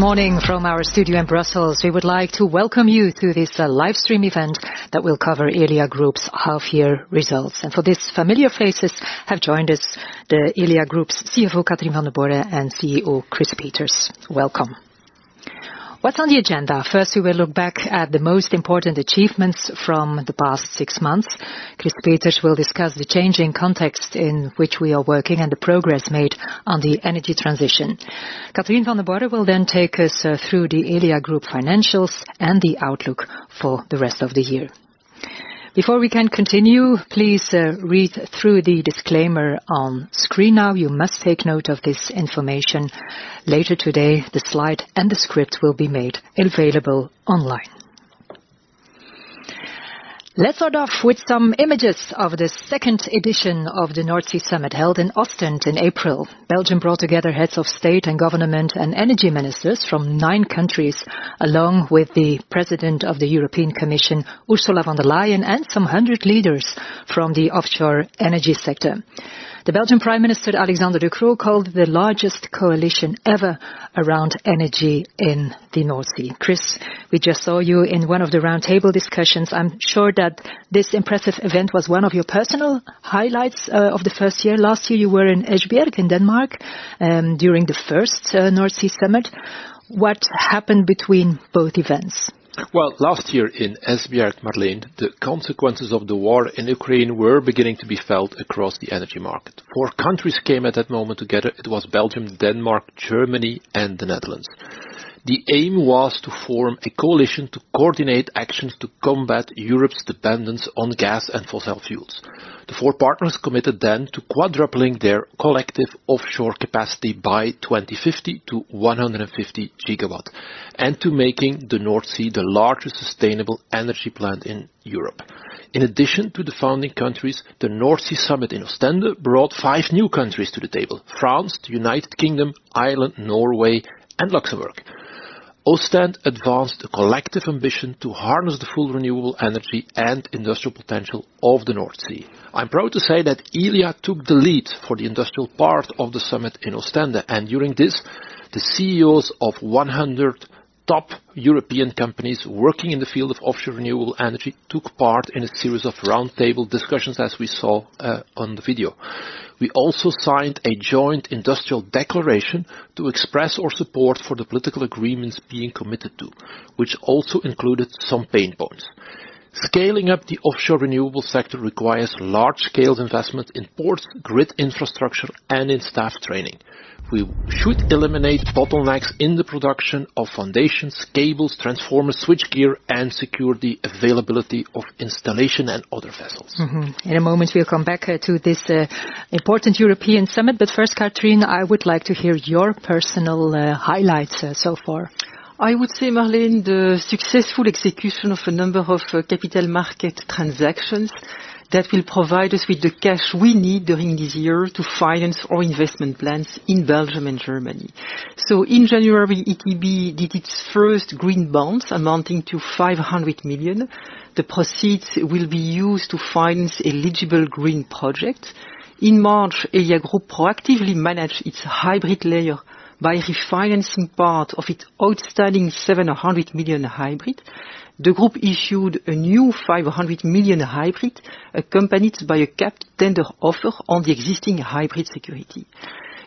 Morning from our studio in Brussels. We would like to welcome you to this live stream event that will cover Elia Group's half year results. For this, familiar faces have joined us, the Elia Group's CFO, Catherine Vandenborre, and CEO, Chris Peeters. Welcome. What's on the agenda? First, we will look back at the most important achievements from the past six months. Chris Peeters will discuss the changing context in which we are working and the progress made on the energy transition. Catherine Vandenborre will then take us through the Elia Group financials and the outlook for the rest of the year. Before we can continue, please read through the disclaimer on screen now. You must take note of this information. Later today, the slide and the script will be made available online. Let's start off with some images of the second edition of the North Sea Summit, held in Ostend in April. Belgium brought together heads of state and government and energy ministers from nine countries, along with the President of the European Commission, Ursula von der Leyen, and some 100 leaders from the offshore energy sector. The Belgian Prime Minister, Alexander De Croo, called the largest coalition ever around energy in the North Sea. Chris, we just saw you in one of the roundtable discussions. I'm sure that this impressive event was one of your personal highlights of the first year. Last year, you were in Esbjerg in Denmark, during the first North Sea Summit. What happened between both events? Last year in Esbjerg, Marleen, the consequences of the war in Ukraine were beginning to be felt across the energy market. 4 countries came at that moment together. It was Belgium, Denmark, Germany, and the Netherlands. The aim was to form a coalition to coordinate actions to combat Europe's dependence on gas and fossil fuels. The 4 partners committed then to quadrupling their collective offshore capacity by 2050 to 150 gigawatt, and to making the North Sea the largest sustainable energy plant in Europe. In addition to the founding countries, the North Sea Summit in Ostend brought 5 new countries to the table: France, the United Kingdom, Ireland, Norway, and Luxembourg. Ostend advanced a collective ambition to harness the full renewable energy and industrial potential of the North Sea. I'm proud to say that Elia took the lead for the industrial part of the summit in Ostend. During this, the CEOs of 100 top European companies working in the field of offshore renewable energy took part in a series of roundtable discussions, as we saw on the video. We also signed a joint industrial declaration to express our support for the political agreements being committed to, which also included some pain points. Scaling up the offshore renewable sector requires large-scale investment in ports, grid infrastructure, and in staff training. We should eliminate bottlenecks in the production of foundations, cables, transformers, switchgear, and secure the availability of installation and other vessels. In a moment, we'll come back to this important European summit. First, Catherine, I would like to hear your personal highlights so far. I would say, Marleen, the successful execution of a number of capital market transactions that will provide us with the cash we need during this year to finance our investment plans in Belgium and Germany. In January, Elia did its first green bonds, amounting to 500 million. The proceeds will be used to finance eligible green projects. In March, Elia Group proactively managed its hybrid layer by refinancing part of its outstanding 700 million hybrid. The group issued a new 500 million hybrid, accompanied by a capped tender offer on the existing hybrid security.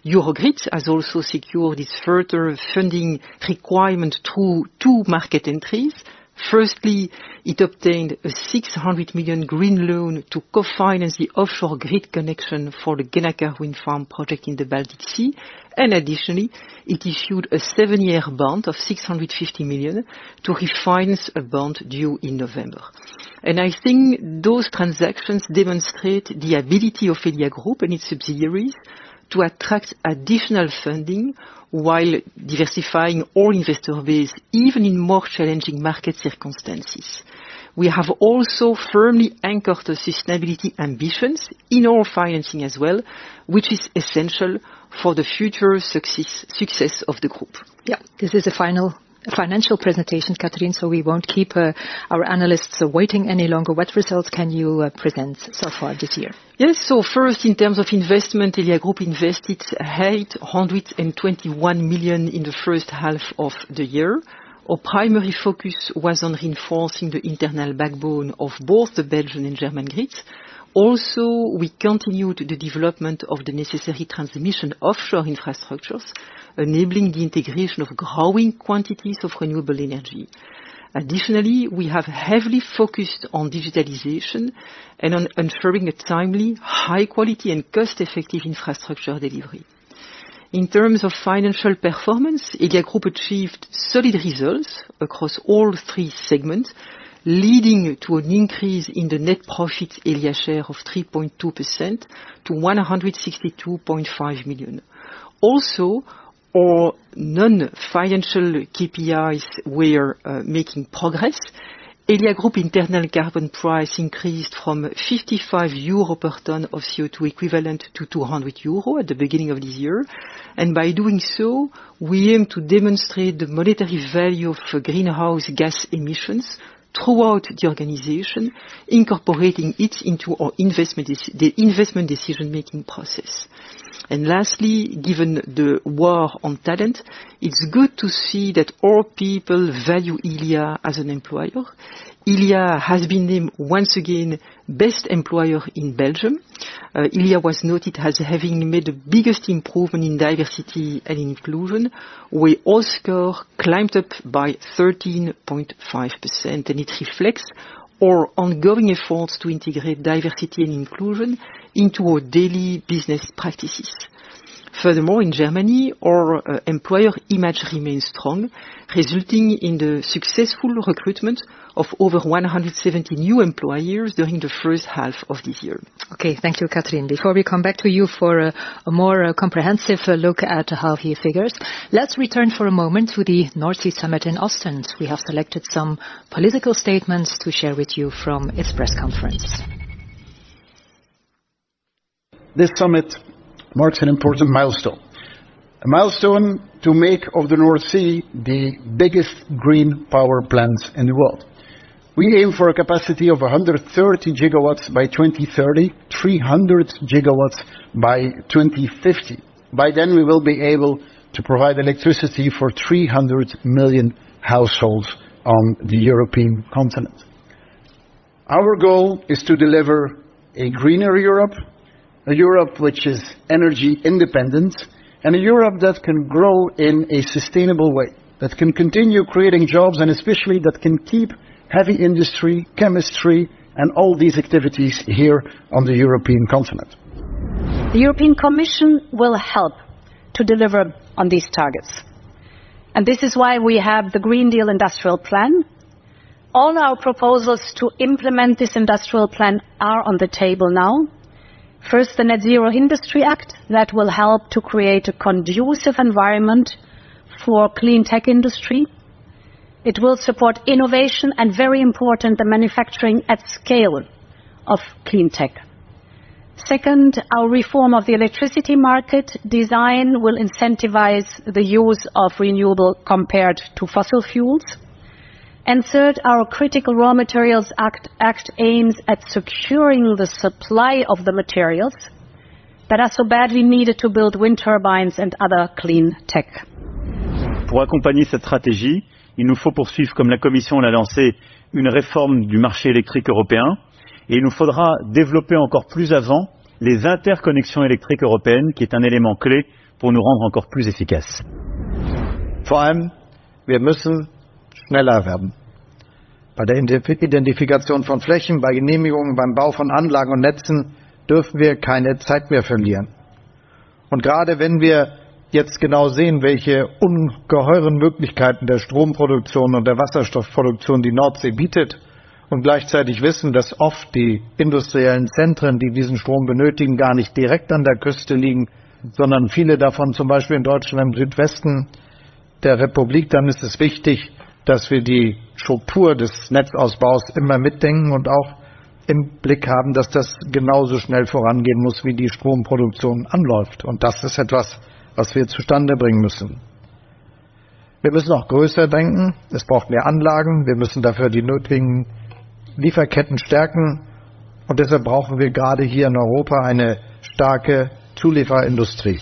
Eurogrid has also secured its further funding requirement through 2 market entries. Firstly, it obtained a 600 million green loan to co-finance the offshore grid connection for the Gennaker Wind Farm project in the Baltic Sea. Additionally, it issued a seven-year bond of 650 million to refinance a bond due in November. I think those transactions demonstrate the ability of Elia Group and its subsidiaries to attract additional funding while diversifying our investor base, even in more challenging market circumstances. We have also firmly anchored the sustainability ambitions in our financing as well, which is essential for the future success of the group. Yeah. This is a financial presentation, Catherine. We won't keep our analysts waiting any longer. What results can you present so far this year? Yes. First, in terms of investment, Elia Group invested 821 million in the first half of the year. Our primary focus was on reinforcing the internal backbone of both the Belgian and German grids. We continued the development of the necessary transmission offshore infrastructures, enabling the integration of growing quantities of renewable energy. Additionally, we have heavily focused on digitalization and on ensuring a timely, high quality, and cost-effective infrastructure delivery. In terms of financial performance, Elia Group achieved solid results across all three segments, leading to an increase in the net profits Elia share of 3.2% to 162.5 million. Our non-financial KPIs were making progress. Elia Group internal carbon price increased from 55 euro per ton of CO2 equivalent to 200 euro at the beginning of this year. By doing so, we aim to demonstrate the monetary value of the greenhouse gas emissions throughout the organization, incorporating it into our investment decision-making process. Lastly, given the war on talent, it's good to see that all people value Elia as an employer. Elia has been named once again, best employer in Belgium. Elia was noted as having made the biggest improvement in diversity and inclusion, where all score climbed up by 13.5%, and it reflects our ongoing efforts to integrate diversity and inclusion into our daily business practices. Furthermore, in Germany, our employer image remains strong, resulting in the successful recruitment of over 170 new employers during the first half of this year. Okay, thank you, Catherine. Before we come back to you for a more comprehensive look at half year figures, let's return for a moment to the North Sea Summit in Ostend. We have selected some political statements to share with you from its press conference. This summit marks an important milestone. A milestone to make of the North Sea, the biggest green power plants in the world. We aim for a capacity of 130 gigawatts by 2030, 300 gigawatts by 2050. By then, we will be able to provide electricity for 300 million households on the European continent. Our goal is to deliver a greener Europe, a Europe which is energy independent, and a Europe that can grow in a sustainable way, that can continue creating jobs, and especially that can keep heavy industry, chemistry, and all these activities here on the European continent. The European Commission will help to deliver on these targets, this is why we have the Green Deal Industrial Plan. All our proposals to implement this industrial plan are on the table now. First, the Net Zero Industry Act, that will help to create a conducive environment for clean tech industry. It will support innovation and very important, the manufacturing at scale of clean tech. Second, our reform of the electricity market design will incentivize the use of renewable compared to fossil fuels. Third, our Critical Raw Materials Act aims at securing the supply of the materials that are so badly needed to build wind turbines and other clean tech. For accompany strategy, you know, for pursue Commission lance une réforme market electric European in faudra développer plus avant les interconnection electric European élément clé for nous encore plus efficace. For him, we must schneller werden. By the identification von Flächen, by genehmigung, beim bau von anlagen und netzen durfen wir keine Zeit mehr verlieren. Gerade when we jetzt genau sehen, welche ungeheuren Möglichkeiten der Stromproduktion und der Wasserstoffproduktion, die Nordsee bietet und gleichzeitig wissen, das oft die industriellen Zentren, die diesen Strom benötigen, gar nicht direkt an der Küste liegen, sondern viele davon zum Beispiel in Deutschland, im Südwesten der Republik. Dann ist es wichtig, dass wir die Struktur des Netzausbaus immer mitdenken und auch im Blick haben, dass das genauso schnell vorangehen muss, wie die Stromproduktion anläuft. Das ist etwas, was wir zustande bringen müssen. Wir müssen auch größer denken. Es braucht mehr Anlagen, wir müssen dafür die nötigen Lieferketten stärken, und deshalb brauchen wir gerade hier in Europa eine starke Zulieferindustrie.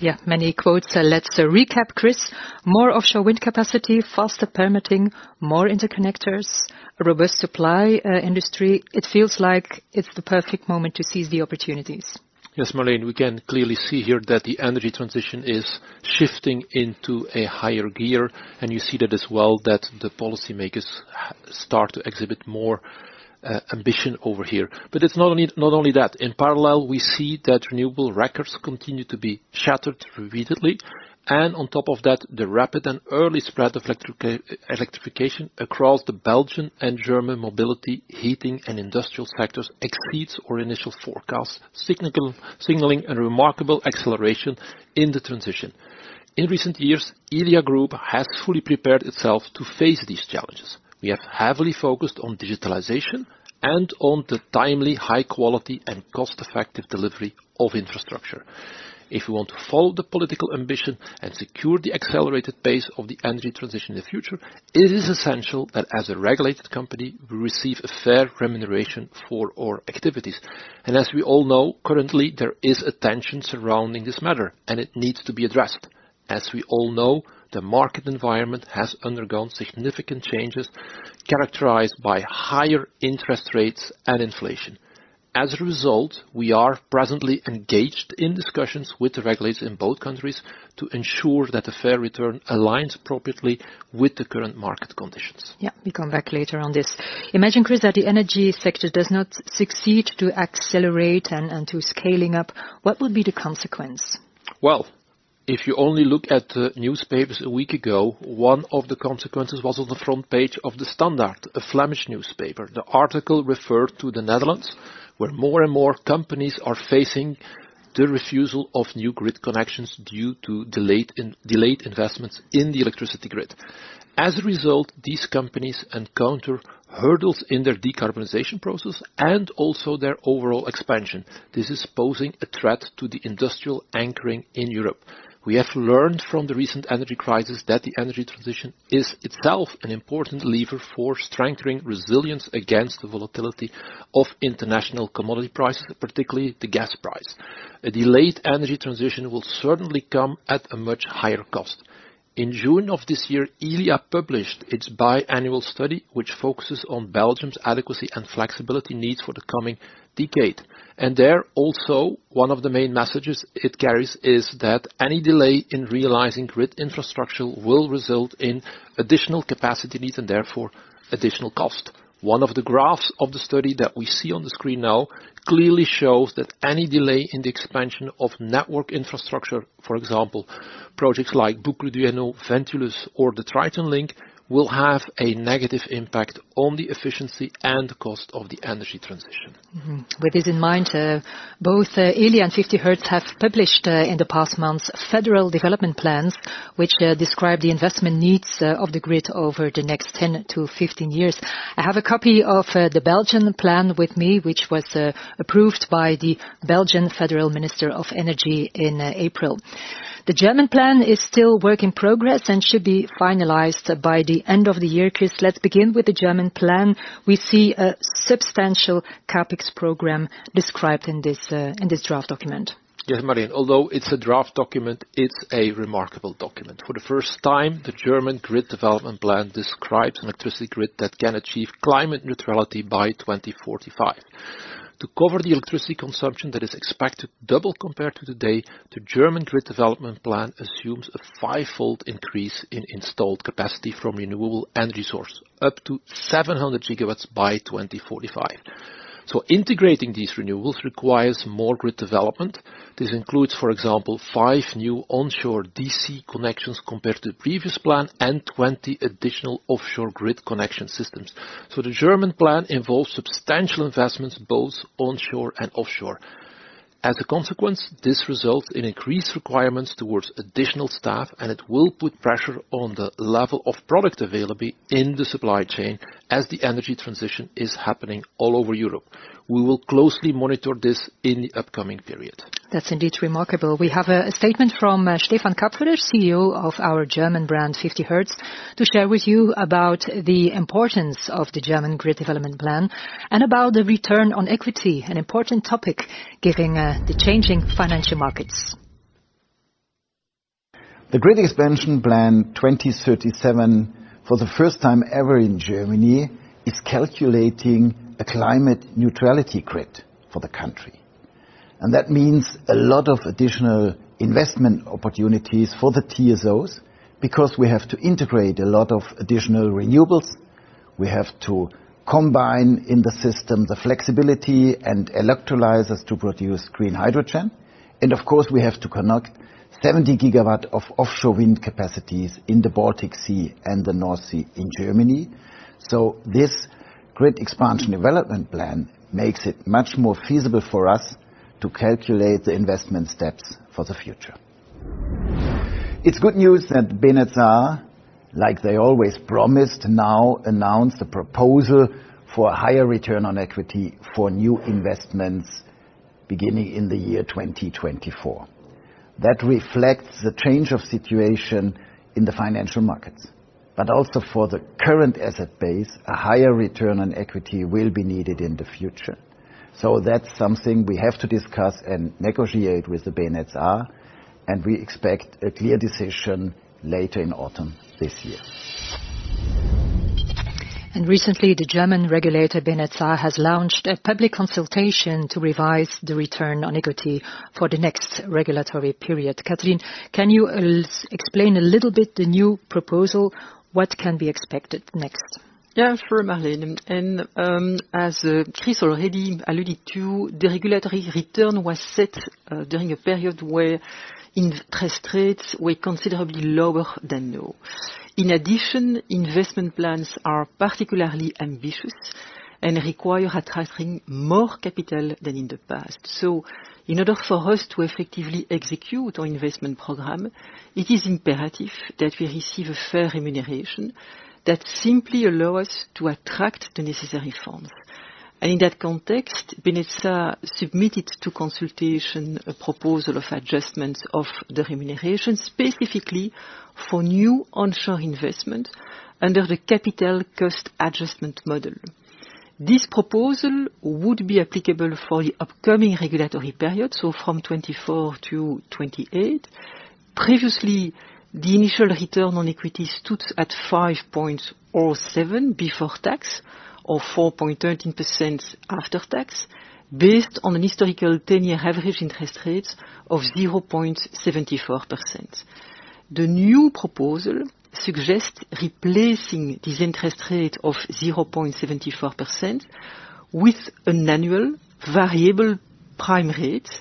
Yeah, many quotes. Let's recap, Chris. More offshore wind capacity, faster permitting, more interconnectors, a robust supply industry. It feels like it's the perfect moment to seize the opportunities. Yes, Marleen, we can clearly see here that the energy transition is shifting into a higher gear. You see that as well, that the policymakers start to exhibit more ambition over here. It's not only that. In parallel, we see that renewable records continue to be shattered repeatedly, and on top of that, the rapid and early spread of electrification across the Belgian and German mobility, heating, and industrial sectors exceeds our initial forecasts, signaling a remarkable acceleration in the transition. In recent years, Elia Group has fully prepared itself to face these challenges. We have heavily focused on digitalization and on the timely, high quality, and cost-effective delivery of infrastructure. If we want to follow the political ambition and secure the accelerated pace of the energy transition in the future, it is essential that as a regulated company, we receive a fair remuneration for our activities. As we all know, currently, there is a tension surrounding this matter, and it needs to be addressed. As we all know, the market environment has undergone significant changes, characterized by higher interest rates and inflation. As a result, we are presently engaged in discussions with the regulators in both countries to ensure that a fair return aligns appropriately with the current market conditions. Yeah, we come back later on this. Imagine, Chris, that the energy sector does not succeed to accelerate and to scaling up. What would be the consequence? Well, if you only look at the newspapers a week ago, one of the consequences was on the front page of the De Standaard, a Flemish newspaper. The article referred to the Netherlands, where more and more companies are facing the refusal of new grid connections due to delayed investments in the electricity grid. These companies encounter hurdles in their decarbonization process and also their overall expansion. This is posing a threat to the industrial anchoring in Europe. We have learned from the recent energy crisis that the energy transition is itself an important lever for strengthening resilience against the volatility of international commodity prices, particularly the gas price. A delayed energy transition will certainly come at a much higher cost. In June of this year, Elia published its biannual study, which focuses on Belgium's adequacy and flexibility needs for the coming decade. There also, one of the main messages it carries is that any delay in realizing grid infrastructure will result in additional capacity needs and therefore additional cost. One of the graphs of the study that we see on the screen now, clearly shows that any delay in the expansion of network infrastructure, for example, projects like Boucle du Hainaut, Ventilus, or the Triton Link, will have a negative impact on the efficiency and cost of the energy transition. With this in mind, both Elia and 50Hertz have published in the past months, Federal Development Plans, which describe the investment needs of the grid over the next 10 to 15 years. I have a copy of the Belgian plan with me, which was approved by the Belgian Federal Minister of Energy in April. The German plan is still work in progress and should be finalized by the end of the year. Chris, let's begin with the German plan. We see a substantial CAPEX program described in this draft document. Yes, Marleen, although it's a draft document, it's a remarkable document. For the first time, the German Grid Development Plan describes an electricity grid that can achieve climate neutrality by 2045. To cover the electricity consumption that is expected to double, compared to today, the German Grid Development Plan assumes a fivefold increase in installed capacity from renewable energy source, up to 700 gigawatts by 2045. Integrating these renewables requires more grid development. This includes, for example, 5 new onshore DC connections compared to the previous plan, and 20 additional offshore grid connection systems. The German plan involves substantial investments, both onshore and offshore. As a consequence, this results in increased requirements towards additional staff, and it will put pressure on the level of product available in the supply chain as the energy transition is happening all over Europe. We will closely monitor this in the upcoming period. That's indeed remarkable. We have a statement from Stefan Kapferer, CEO of our German brand, 50Hertz, to share with you about the importance of the German Grid Development Plan and about the return on equity, an important topic, given the changing financial markets. The Grid Development Plan 2037, for the first time ever in Germany, is calculating a climate neutrality grid for the country, that means a lot of additional investment opportunities for the TSOs. Because we have to integrate a lot of additional renewables, we have to combine in the system the flexibility and electrolyzers to produce green hydrogen. Of course, we have to connect 70 gigawatt of offshore wind capacities in the Baltic Sea and the North Sea in Germany. This Grid Development Plan makes it much more feasible for us to calculate the investment steps for the future. It's good news that BNetzA, like they always promised, now announce the proposal for a higher return on equity for new investments beginning in the year 2024. That reflects the change of situation in the financial markets, but also for the current asset base, a higher return on equity will be needed in the future. That's something we have to discuss and negotiate with the BNetzA, and we expect a clear decision later in autumn this year. Recently, the German regulator, BNetzA, has launched a public consultation to revise the return on equity for the next regulatory period. Catherine, can you explain a little bit the new proposal? What can be expected next? Yeah, sure, Marie. As Chris already alluded to, the regulatory return was set during a period where interest rates were considerably lower than now. In addition, investment plans are particularly ambitious and require attracting more capital than in the past. In order for us to effectively execute our investment program, it is imperative that we receive a fair remuneration that simply allow us to attract the necessary funds. In that context, BNetzA submitted to consultation a proposal of adjustments of the remuneration specifically for new onshore investment under the capital cost adjustment model. This proposal would be applicable for the upcoming regulatory period, so from 2024 to 2028. Previously, the initial return on equity stood at 5.07% before tax, or 4.13% after tax, based on an historical 10-year average interest rates of 0.74%. The new proposal suggests replacing this interest rate of 0.74% with an annual variable prime rate,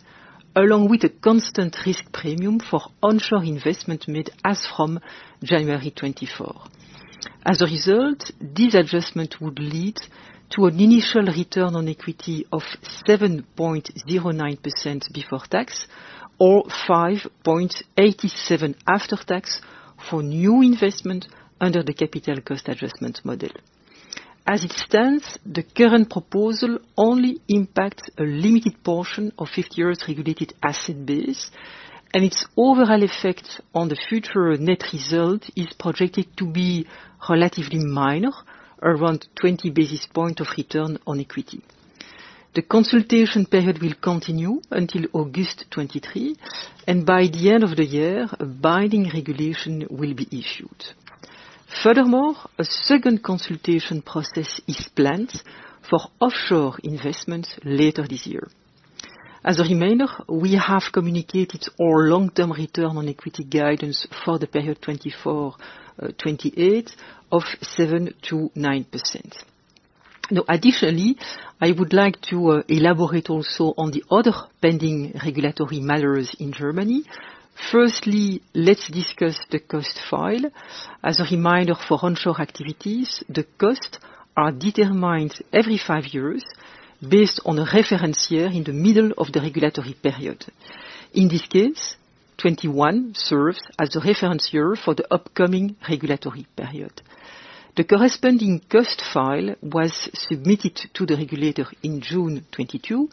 along with a constant risk premium for onshore investment made as from January 2024. As a result, this adjustment would lead to an initial return on equity of 7.09% before tax, or 5.87% after tax for new investment under the capital cost adjustment model. As it stands, the current proposal only impacts a limited portion of 50Hertz regulated asset base, and its overall effect on the future net result is projected to be relatively minor, around 20 basis points of return on equity. The consultation period will continue until August 23, and by the end of the year, a binding regulation will be issued. Furthermore, a second consultation process is planned for offshore investments later this year. As a reminder, we have communicated our long-term return on equity guidance for the period 2024-2028 of 7%-9%. Additionally, I would like to elaborate also on the other pending regulatory matters in Germany. Firstly, let's discuss the cost file. As a reminder for onshore activities, the costs are determined every five years based on a reference year in the middle of the regulatory period. In this case, 2021 serves as a reference year for the upcoming regulatory period. The corresponding cost file was submitted to the regulator in June 2022,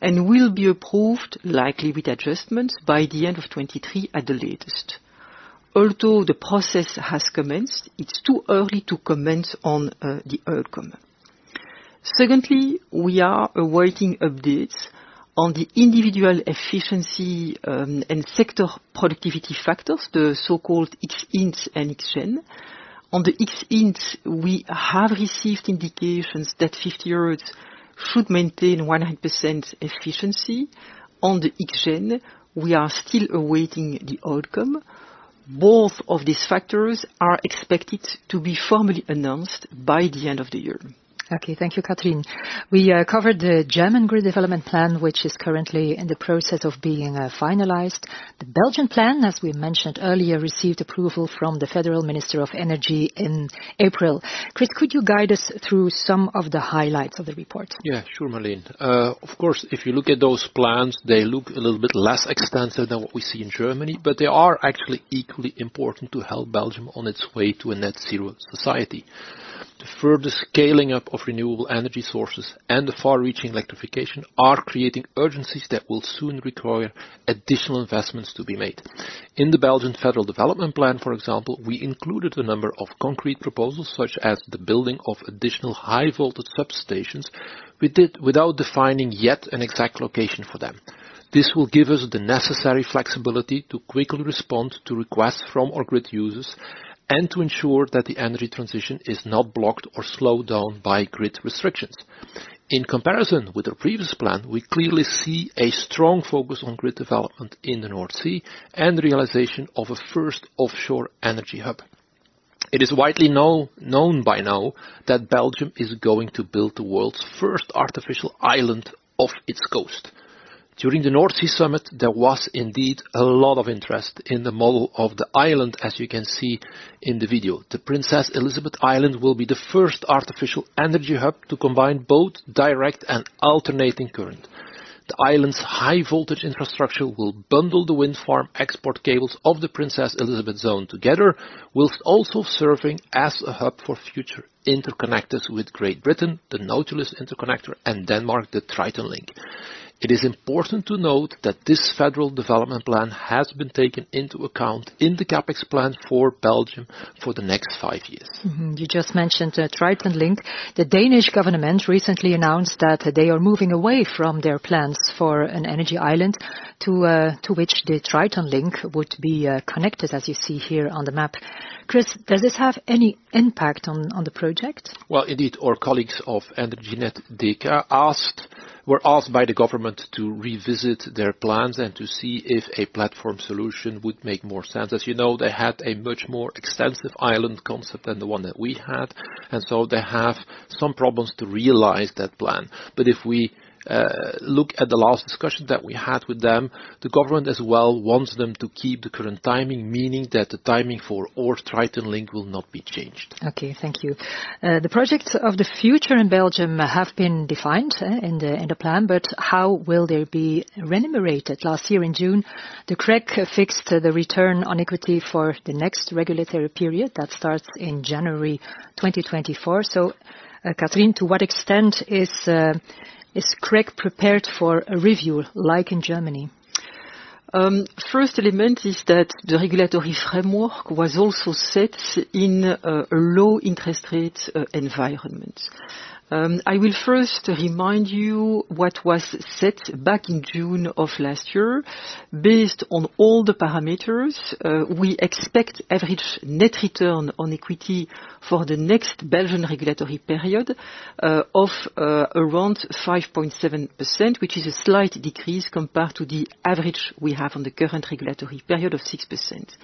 and will be approved, likely with adjustments, by the end of 2023 at the latest. Although the process has commenced, it's too early to comment on the outcome. Secondly, we are awaiting updates on the individual efficiency and sector productivity factors, the so-called Xind and Xgen. On the Xind, we have received indications that 50Hertz should maintain 100% efficiency. On the Xgen, we are still awaiting the outcome. Both of these factors are expected to be formally announced by the end of the year. Thank you, Catherine. We covered the German Grid Development Plan, which is currently in the process of being finalized. The Belgian plan, as we mentioned earlier, received approval from the Federal Minister of Energy in April. Chris, could you guide us through some of the highlights of the report? Yeah, sure, Marleen. Of course, if you look at those plans, they look a little bit less extensive than what we see in Germany, but they are actually equally important to help Belgium on its way to a net zero society. The further scaling up of renewable energy sources and the far-reaching electrification are creating urgencies that will soon require additional investments to be made. In the Belgian Federal Development Plan, for example, we included a number of concrete proposals, such as the building of additional high-voltage substations. We did without defining yet an exact location for them. This will give us the necessary flexibility to quickly respond to requests from our grid users, and to ensure that the energy transition is not blocked or slowed down by grid restrictions. In comparison with the previous plan, we clearly see a strong focus on grid development in the North Sea and the realization of a first offshore energy hub. It is widely known by now that Belgium is going to build the world's first artificial island off its coast. During the North Sea Summit, there was indeed a lot of interest in the model of the island, as you can see in the video. The Princess Elisabeth Island will be the first artificial energy hub to combine both direct and alternating current. The island's high voltage infrastructure will bundle the wind farm export cables of the Princess Elisabeth zone together, while also serving as a hub for future interconnectors with Great Britain, the Nautilus Interconnector, and Denmark, the Triton Link. It is important to note that this Federal Development Plan has been taken into account in the CAPEX plan for Belgium for the next 5 years. You just mentioned Triton Link. The Danish government recently announced that they are moving away from their plans for an energy island to which the Triton Link would be connected, as you see here on the map. Chris, does this have any impact on the project? Indeed, our colleagues of Energinet were asked by the government to revisit their plans and to see if a platform solution would make more sense. As you know, they had a much more extensive island concept than the one that we had, they have some problems to realize that plan. If we look at the last discussion that we had with them, the government as well wants them to keep the current timing, meaning that the timing for our Triton Link will not be changed. Okay, thank you. The projects of the future in Belgium have been defined in the, in the plan, but how will they be remunerated? Last year in June, the CREG fixed the return on equity for the next regulatory period that starts in January 2024. Catherine, to what extent is CREG prepared for a review like in Germany? First element is that the regulatory framework was also set in a low interest rate environment. I will first remind you what was set back in June of last year. Based on all the parameters, we expect average net return on equity for the next Belgian regulatory period of around 5.7%, which is a slight decrease compared to the average we have on the current regulatory period of 6%.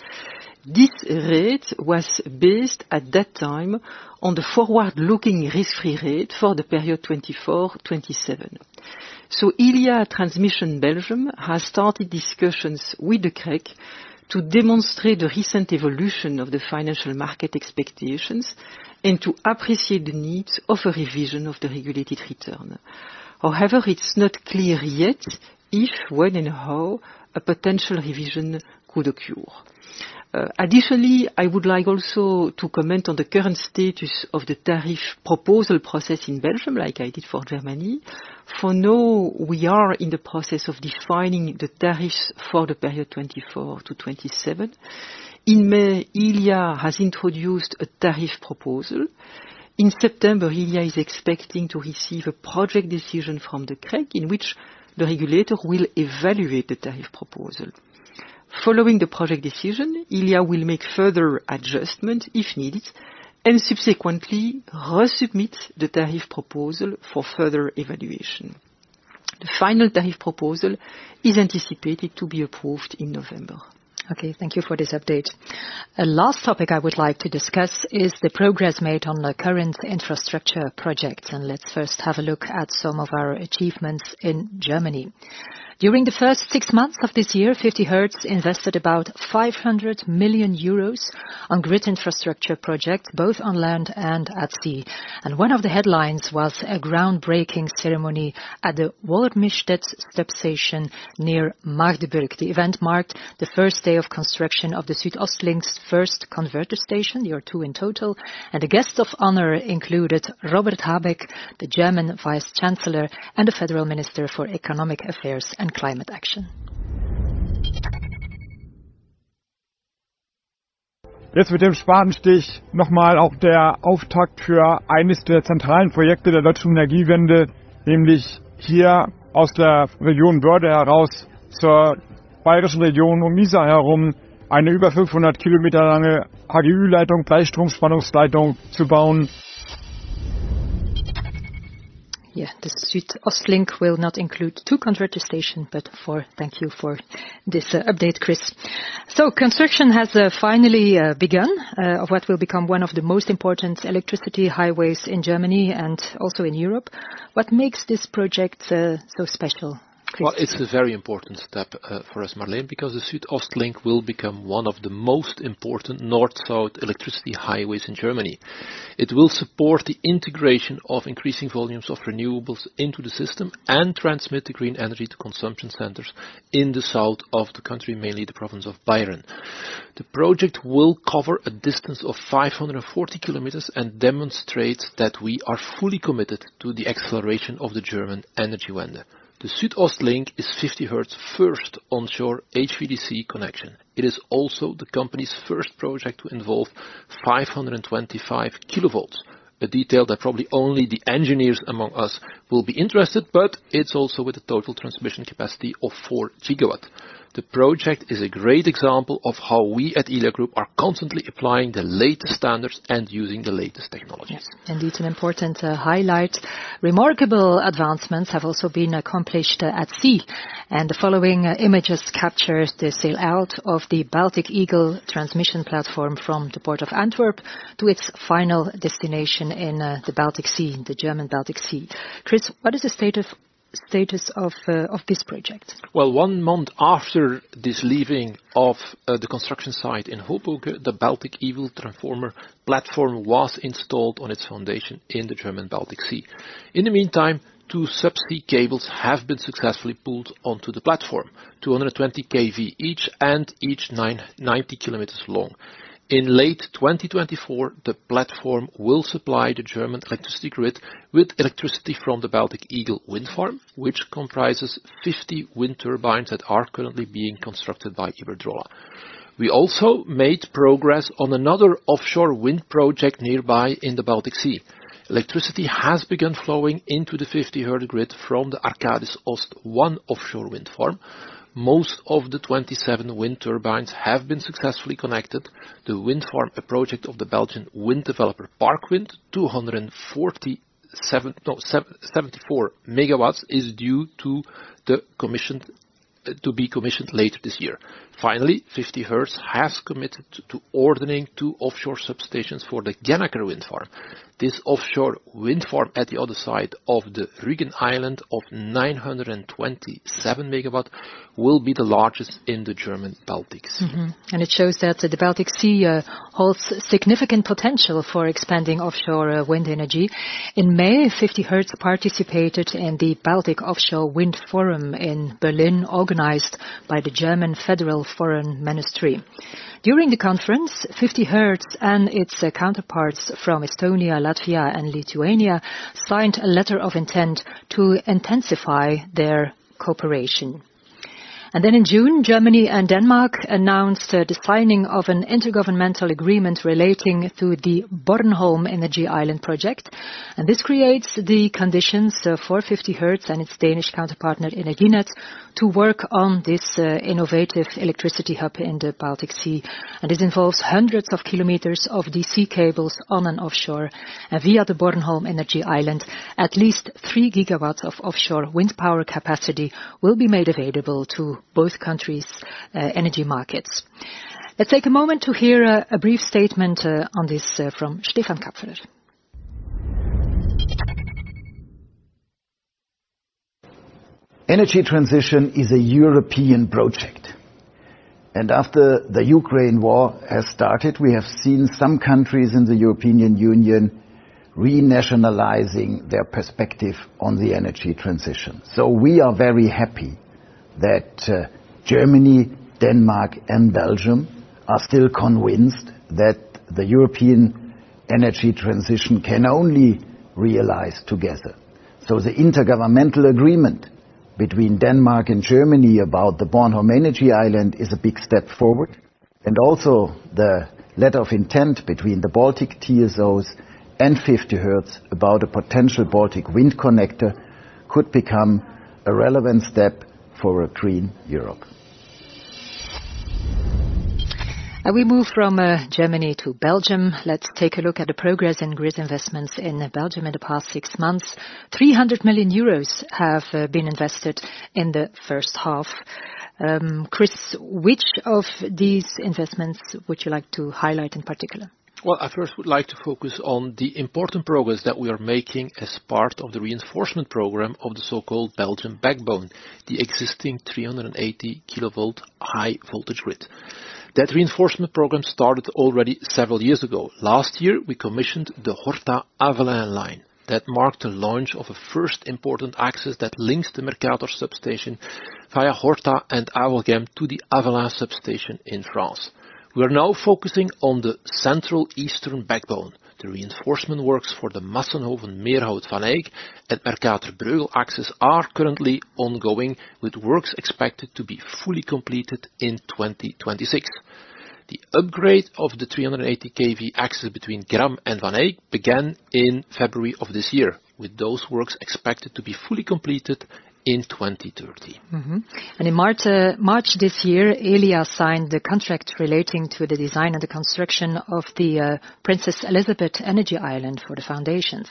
This rate was based, at that time, on the forward-looking risk-free rate for the period 2024-2027. Elia Transmission Belgium has started discussions with the CREG to demonstrate the recent evolution of the financial market expectations, and to appreciate the needs of a revision of the regulated return. However, it's not clear yet if, when, and how a potential revision could occur. Additionally, I would like also to comment on the current status of the tariff proposal process in Belgium, like I did for Germany. For now, we are in the process of defining the tariffs for the period 2024 to 2027. In May, Elia has introduced a tariff proposal. In September, Elia is expecting to receive a project decision from the CREG, in which the regulator will evaluate the tariff proposal. Following the project decision, Elia will make further adjustment, if needed, and subsequently resubmit the tariff proposal for further evaluation. The final tariff proposal is anticipated to be approved in November. Okay, thank you for this update. The last topic I would like to discuss is the progress made on the current infrastructure projects. Let's first have a look at some of our achievements in Germany. During the first six months of this year, 50Hertz invested about 500 million euros on grid infrastructure projects, both on land and at sea. One of the headlines was a groundbreaking ceremony at the Wolmirstedt substation near Magdeburg. The event marked the first day of construction of the SüdOstLink's first converter station, there are two in total, and the guests of honor included Robert Habeck, the German Vice Chancellor, and the Federal Minister for Economic Affairs and Climate Action. The SüdOstLink will not include two converter station, but four. Thank you for this update, Chris. Construction has finally begun of what will become one of the most important electricity highways in Germany and also in Europe. What makes this project so special, Chris? Well, it's a very important step for us, Marleen, because the SüdOstLink will become one of the most important north-south electricity highways in Germany. It will support the integration of increasing volumes of renewables into the system and transmit the green energy to consumption centers in the south of the country, mainly the province of Bayern. The project will cover a distance of 540 km and demonstrates that we are fully committed to the acceleration of the German Energiewende. The SüdOstLink is 50Hertz's first onshore HVDC connection. It is also the company's first project to involve 525 kV, a detail that probably only the engineers among us will be interested, but it's also with a total transmission capacity of 4 GW. The project is a great example of how we at Elia Group are constantly applying the latest standards and using the latest technologies. Yes, indeed, an important highlight. Remarkable advancements have also been accomplished at sea. The following images captures the sail out of the Baltic Eagle transmission platform from the port of Antwerp to its final destination in the Baltic Sea, the German Baltic Sea. Chris, what is the status of this project? Well, one month after this leaving of the construction site in Hoboken, the Baltic Eagle transformer platform was installed on its foundation in the German Baltic Sea. In the meantime, two subsea cables have been successfully pulled onto the platform, 220 kV each, and each 90 kilometers long. In late 2024, the platform will supply the German electricity grid with electricity from the Baltic Eagle Wind Farm, which comprises 50 wind turbines that are currently being constructed by Iberdrola. We also made progress on another offshore wind project nearby in the Baltic Sea. Electricity has begun flowing into the 50Hertz grid from the Arcadis Ost 1 offshore wind farm. Most of the 27 wind turbines have been successfully connected. The wind farm, a project of the Belgian wind developer Parkwind, 247... no, 74 megawatts, is due to the commissioned, to be commissioned later this year. Finally, 50Hertz has committed to ordering two offshore substations for the Gennaker wind farm. This offshore wind farm at the other side of the Rügen Island of 927 megawatt, will be the largest in the German Baltic Sea. It shows that the Baltic Sea holds significant potential for expanding offshore wind energy. In May, 50Hertz participated in the Baltic Offshore Wind Forum in Berlin, organized by the German Federal Foreign Office. During the conference, 50Hertz and its counterparts from Estonia, Latvia, and Lithuania signed a letter of intent to intensify their cooperation. In June, Germany and Denmark announced the signing of an intergovernmental agreement relating to the Bornholm Energy Island project. This creates the conditions for 50Hertz and its Danish counterpart, Energinet, to work on this innovative electricity hub in the Baltic Sea. This involves hundreds of kilometers of DC cables on and offshore, and via the Bornholm Energy Island, at least 3 GW of offshore wind power capacity will be made available to both countries' energy markets. Let's take a moment to hear a brief statement on this from Stefan Kapferer. Energy transition is a European project, and after the Ukraine war has started, we have seen some countries in the European Union renationalizing their perspective on the energy transition. We are very happy that Germany, Denmark, and Belgium are still convinced that the European energy transition can only realize together. The intergovernmental agreement between Denmark and Germany about the Bornholm Energy Island is a big step forward, and also the letter of intent between the Baltic TSOs and 50Hertz about a potential Baltic wind connector could become a relevant step for a green Europe. We move from Germany to Belgium. Let's take a look at the progress and grid investments in Belgium in the past 6 months. 300 million euros have been invested in the first half. Chris, which of these investments would you like to highlight in particular? Well, I first would like to focus on the important progress that we are making as part of the reinforcement program of the so-called Belgian Backbone, the existing 380 kV high-voltage grid. That reinforcement program started already several years ago. Last year, we commissioned the Horta-Avelin line. That marked the launch of a first important axis that links the Mercator substation via Horta and Arlon to the Avelin substation in France. We are now focusing on the central eastern backbone. The reinforcement works for the Massenhoven, Meerhout, Van Eyck, and Mercator axis are currently ongoing, with works expected to be fully completed in 2026. The upgrade of the 380 kV axis between Gramme and Van Eyck began in February of this year, with those works expected to be fully completed in 2030. In March this year, Elia signed the contract relating to the design and the construction of the Princess Elisabeth Energy Island for the foundations.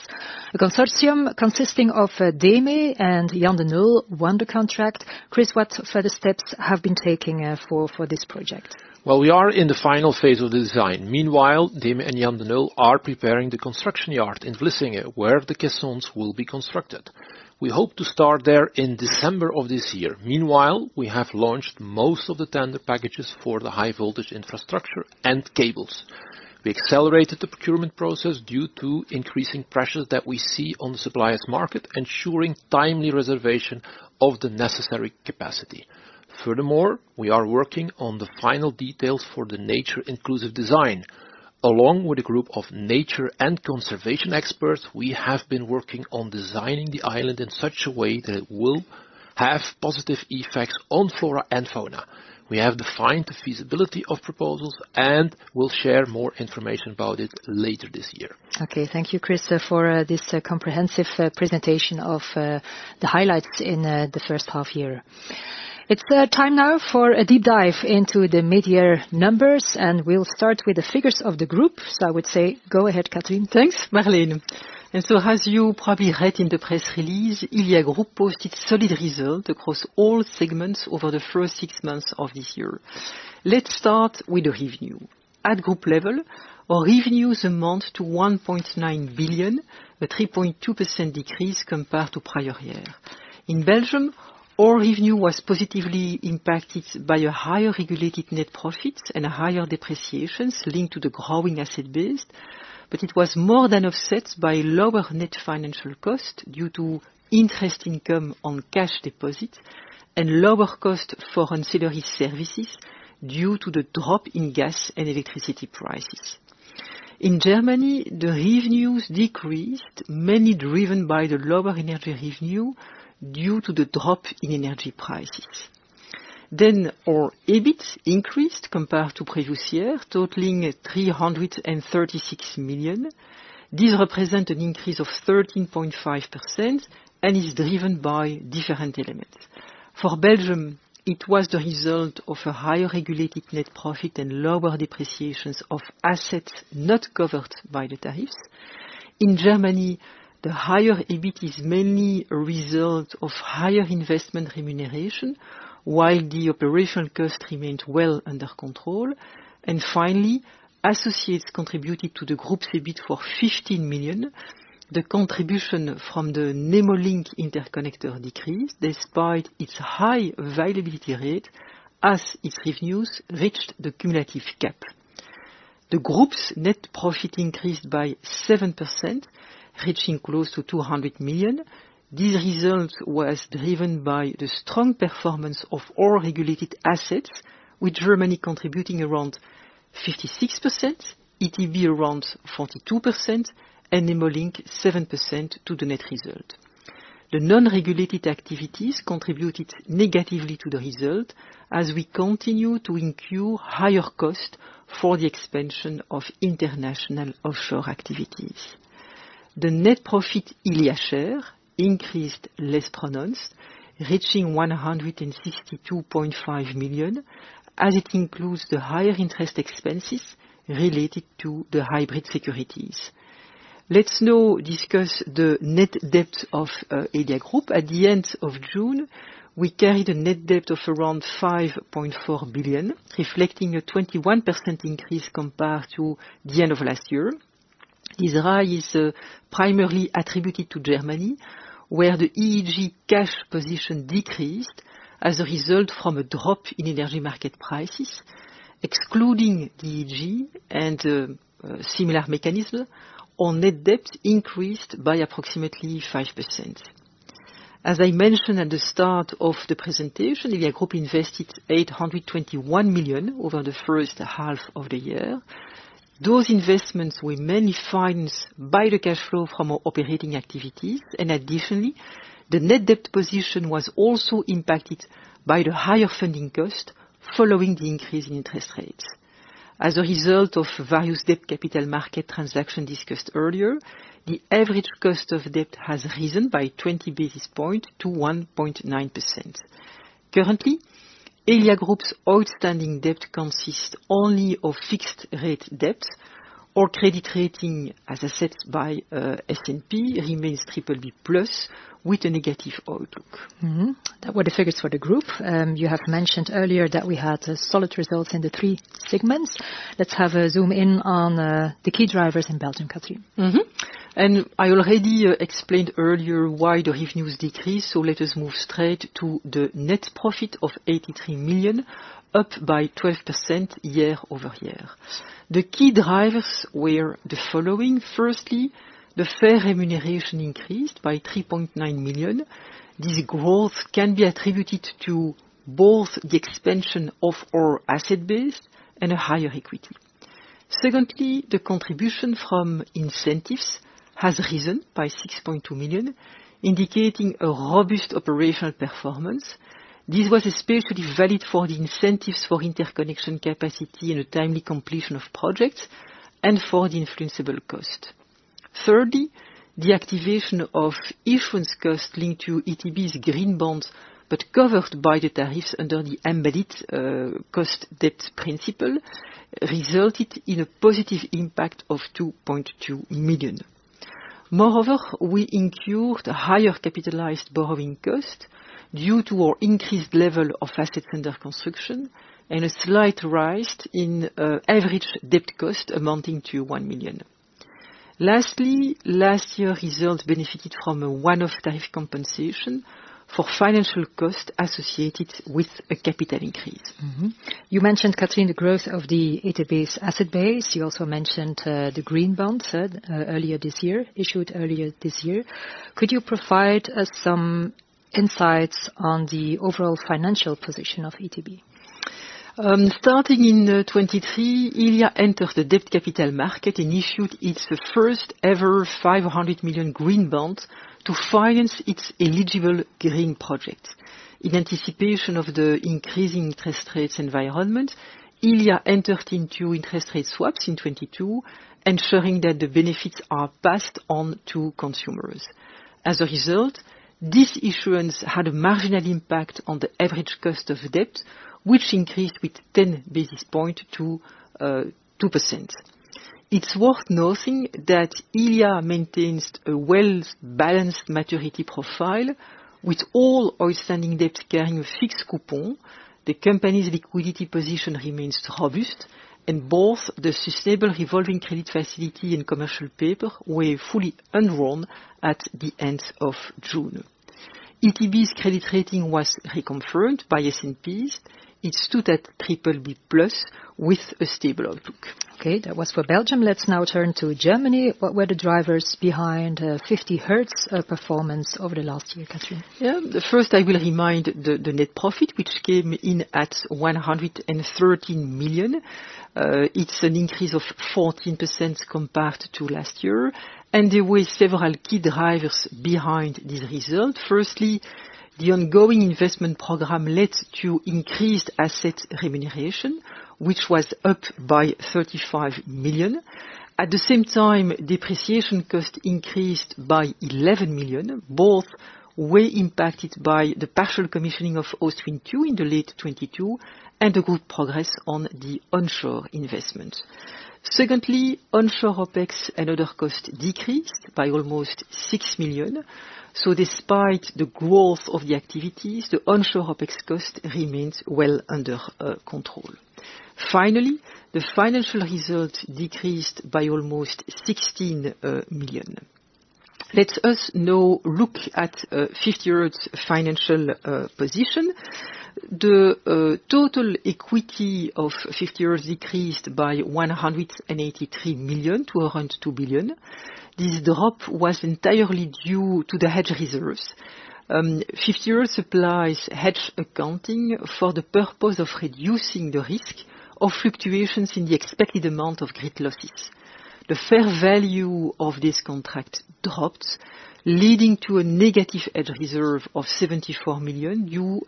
The consortium, consisting of DEME and Jan De Nul, won the contract. Chris, what further steps have been taken for this project? Well, we are in the final phase of the design. DEME and Jan De Nul are preparing the construction yard in Vlissingen, where the caissons will be constructed. We hope to start there in December of this year. We have launched most of the tender packages for the high-voltage infrastructure and cables. We accelerated the procurement process due to increasing pressures that we see on the suppliers' market, ensuring timely reservation of the necessary capacity. We are working on the final details for the nature-inclusive design. Along with a group of nature and conservation experts, we have been working on designing the island in such a way that it will have positive effects on flora and fauna. We have defined the feasibility of proposals and will share more information about it later this year. Thank you, Chris, for this comprehensive presentation of the highlights in the first half year. It's time now for a deep dive into the midyear numbers, and we'll start with the figures of the group. I would say, go ahead, Catherine. Thanks, Marleen. As you probably read in the press release, Elia Group posted solid result across all segments over the first six months of this year. Let's start with the revenue. At group level, our revenues amount to 1.9 billion, a 3.2% decrease compared to prior year. In Belgium, all revenue was positively impacted by a higher regulated net profit and higher depreciations linked to the growing asset base, but it was more than offset by lower net financial cost due to interest income on cash deposits and lower cost for ancillary services due to the drop in gas and electricity prices. In Germany, the revenues decreased, mainly driven by the lower energy revenue due to the drop in energy prices. Our EBIT increased compared to previous year, totaling at 336 million. This represent an increase of 13.5% and is driven by different elements. For Belgium, it was the result of a higher regulated net profit and lower depreciations of assets not covered by the tariffs. In Germany, the higher EBIT is mainly a result of higher investment remuneration, while the operational cost remained well under control. Finally, associates contributed to the group's EBIT for 15 million. The contribution from the Nemo Link interconnector decreased despite its high availability rate, as its revenues reached the cumulative cap. The group's net profit increased by 7%, reaching close to 200 million. This result was driven by the strong performance of all regulated assets, with Germany contributing around 56%, ETB around 42%, and Nemo Link 7% to the net result. The non-regulated activities contributed negatively to the result, as we continue to incur higher costs for the expansion of international offshore activities. The net profit, Elia share, increased less pronounced, reaching 162.5 million, as it includes the higher interest expenses related to the hybrid securities. Let's now discuss the net debt of Elia Group. At the end of June, we carried a net debt of around 5.4 billion, reflecting a 21% increase compared to the end of last year. This rise is primarily attributed to Germany, where the EEG cash position decreased as a result from a drop in energy market prices. Excluding the EEG and similar mechanism, our net debt increased by approximately 5%. As I mentioned at the start of the presentation, Elia Group invested 821 million over the first half of the year. Those investments were mainly financed by the cash flow from our operating activities. Additionally, the net debt position was also impacted by the higher funding cost following the increase in interest rates. As a result of various debt capital market transaction discussed earlier, the average cost of debt has risen by 20 basis points to 1.9%. Currently, Elia Group's outstanding debt consists only of fixed rate debt, or credit rating, as assessed by S&P, remains triple B plus, with a negative outlook. That were the figures for the group. You have mentioned earlier that we had solid results in the three segments. Let's have a zoom in on the key drivers in Belgium, Catherine. I already explained earlier why the revenues decreased. Let us move straight to the net profit of 83 million, up by 12% year-over-year. The key drivers were the following: firstly, the fair remuneration increased by 3.9 million. This growth can be attributed to both the expansion of our asset base and a higher equity. Secondly, the contribution from incentives has risen by 6.2 million, indicating a robust operational performance. This was especially valid for the incentives for interconnection capacity and a timely completion of projects and for the influencible cost. Thirdly, the activation of issuance cost linked to ETB's green bonds, but covered by the tariffs under the embedded cost debt principle, resulted in a positive impact of 2.2 million. Moreover, we incurred higher capitalized borrowing cost due to our increased level of assets under construction, and a slight rise in average debt cost, amounting to 1 million. Lastly, last year's results benefited from a one-off tariff compensation for financial costs associated with a capital increase. You mentioned, Catherine, the growth of the ETB's asset base. You also mentioned, the green bonds, earlier this year, issued earlier this year. Could you provide us some insights on the overall financial position of ETB? Starting in 2023, Elia entered the debt capital market and issued its first ever 500 million green bonds to finance its eligible green project. In anticipation of the increasing interest rates environment, Elia entered into interest rate swaps in 2022, ensuring that the benefits are passed on to consumers. This issuance had a marginal impact on the average cost of debt, which increased with 10 basis points to 2%. It's worth noting that Elia maintains a well-balanced maturity profile with all outstanding debts carrying a fixed coupon. The company's liquidity position remains robust, and both the sustainable revolving credit facility and commercial paper were fully undrawn at the end of June. ETB's credit rating was reconfirmed by S&P. It stood at BBB+ with a stable outlook. Okay, that was for Belgium. Let's now turn to Germany. What were the drivers behind 50Hertz performance over the last year, Catherine? First, I will remind the net profit, which came in at 113 million. It's an increase of 14% compared to last year, there were several key drivers behind this result. Firstly, the ongoing investment program led to increased asset remuneration, which was up by 35 million. At the same time, depreciation cost increased by 11 million. Both were impacted by the partial commissioning of Ostwind 2 in the late 2022, the good progress on the onshore investment. Secondly, onshore OpEx and other costs decreased by almost 6 million, despite the growth of the activities, the onshore OpEx cost remains well under control. Finally, the financial results decreased by almost 16 million. Let us now look at 50Hertz financial position. The total equity of 50Hertz decreased by 183 million to around 2 billion. This drop was entirely due to the hedge reserves. 50Hertz applies hedge accounting for the purpose of reducing the risk of fluctuations in the expected amount of grid losses. The fair value of this contract dropped, leading to a negative hedge reserve of 74 million, due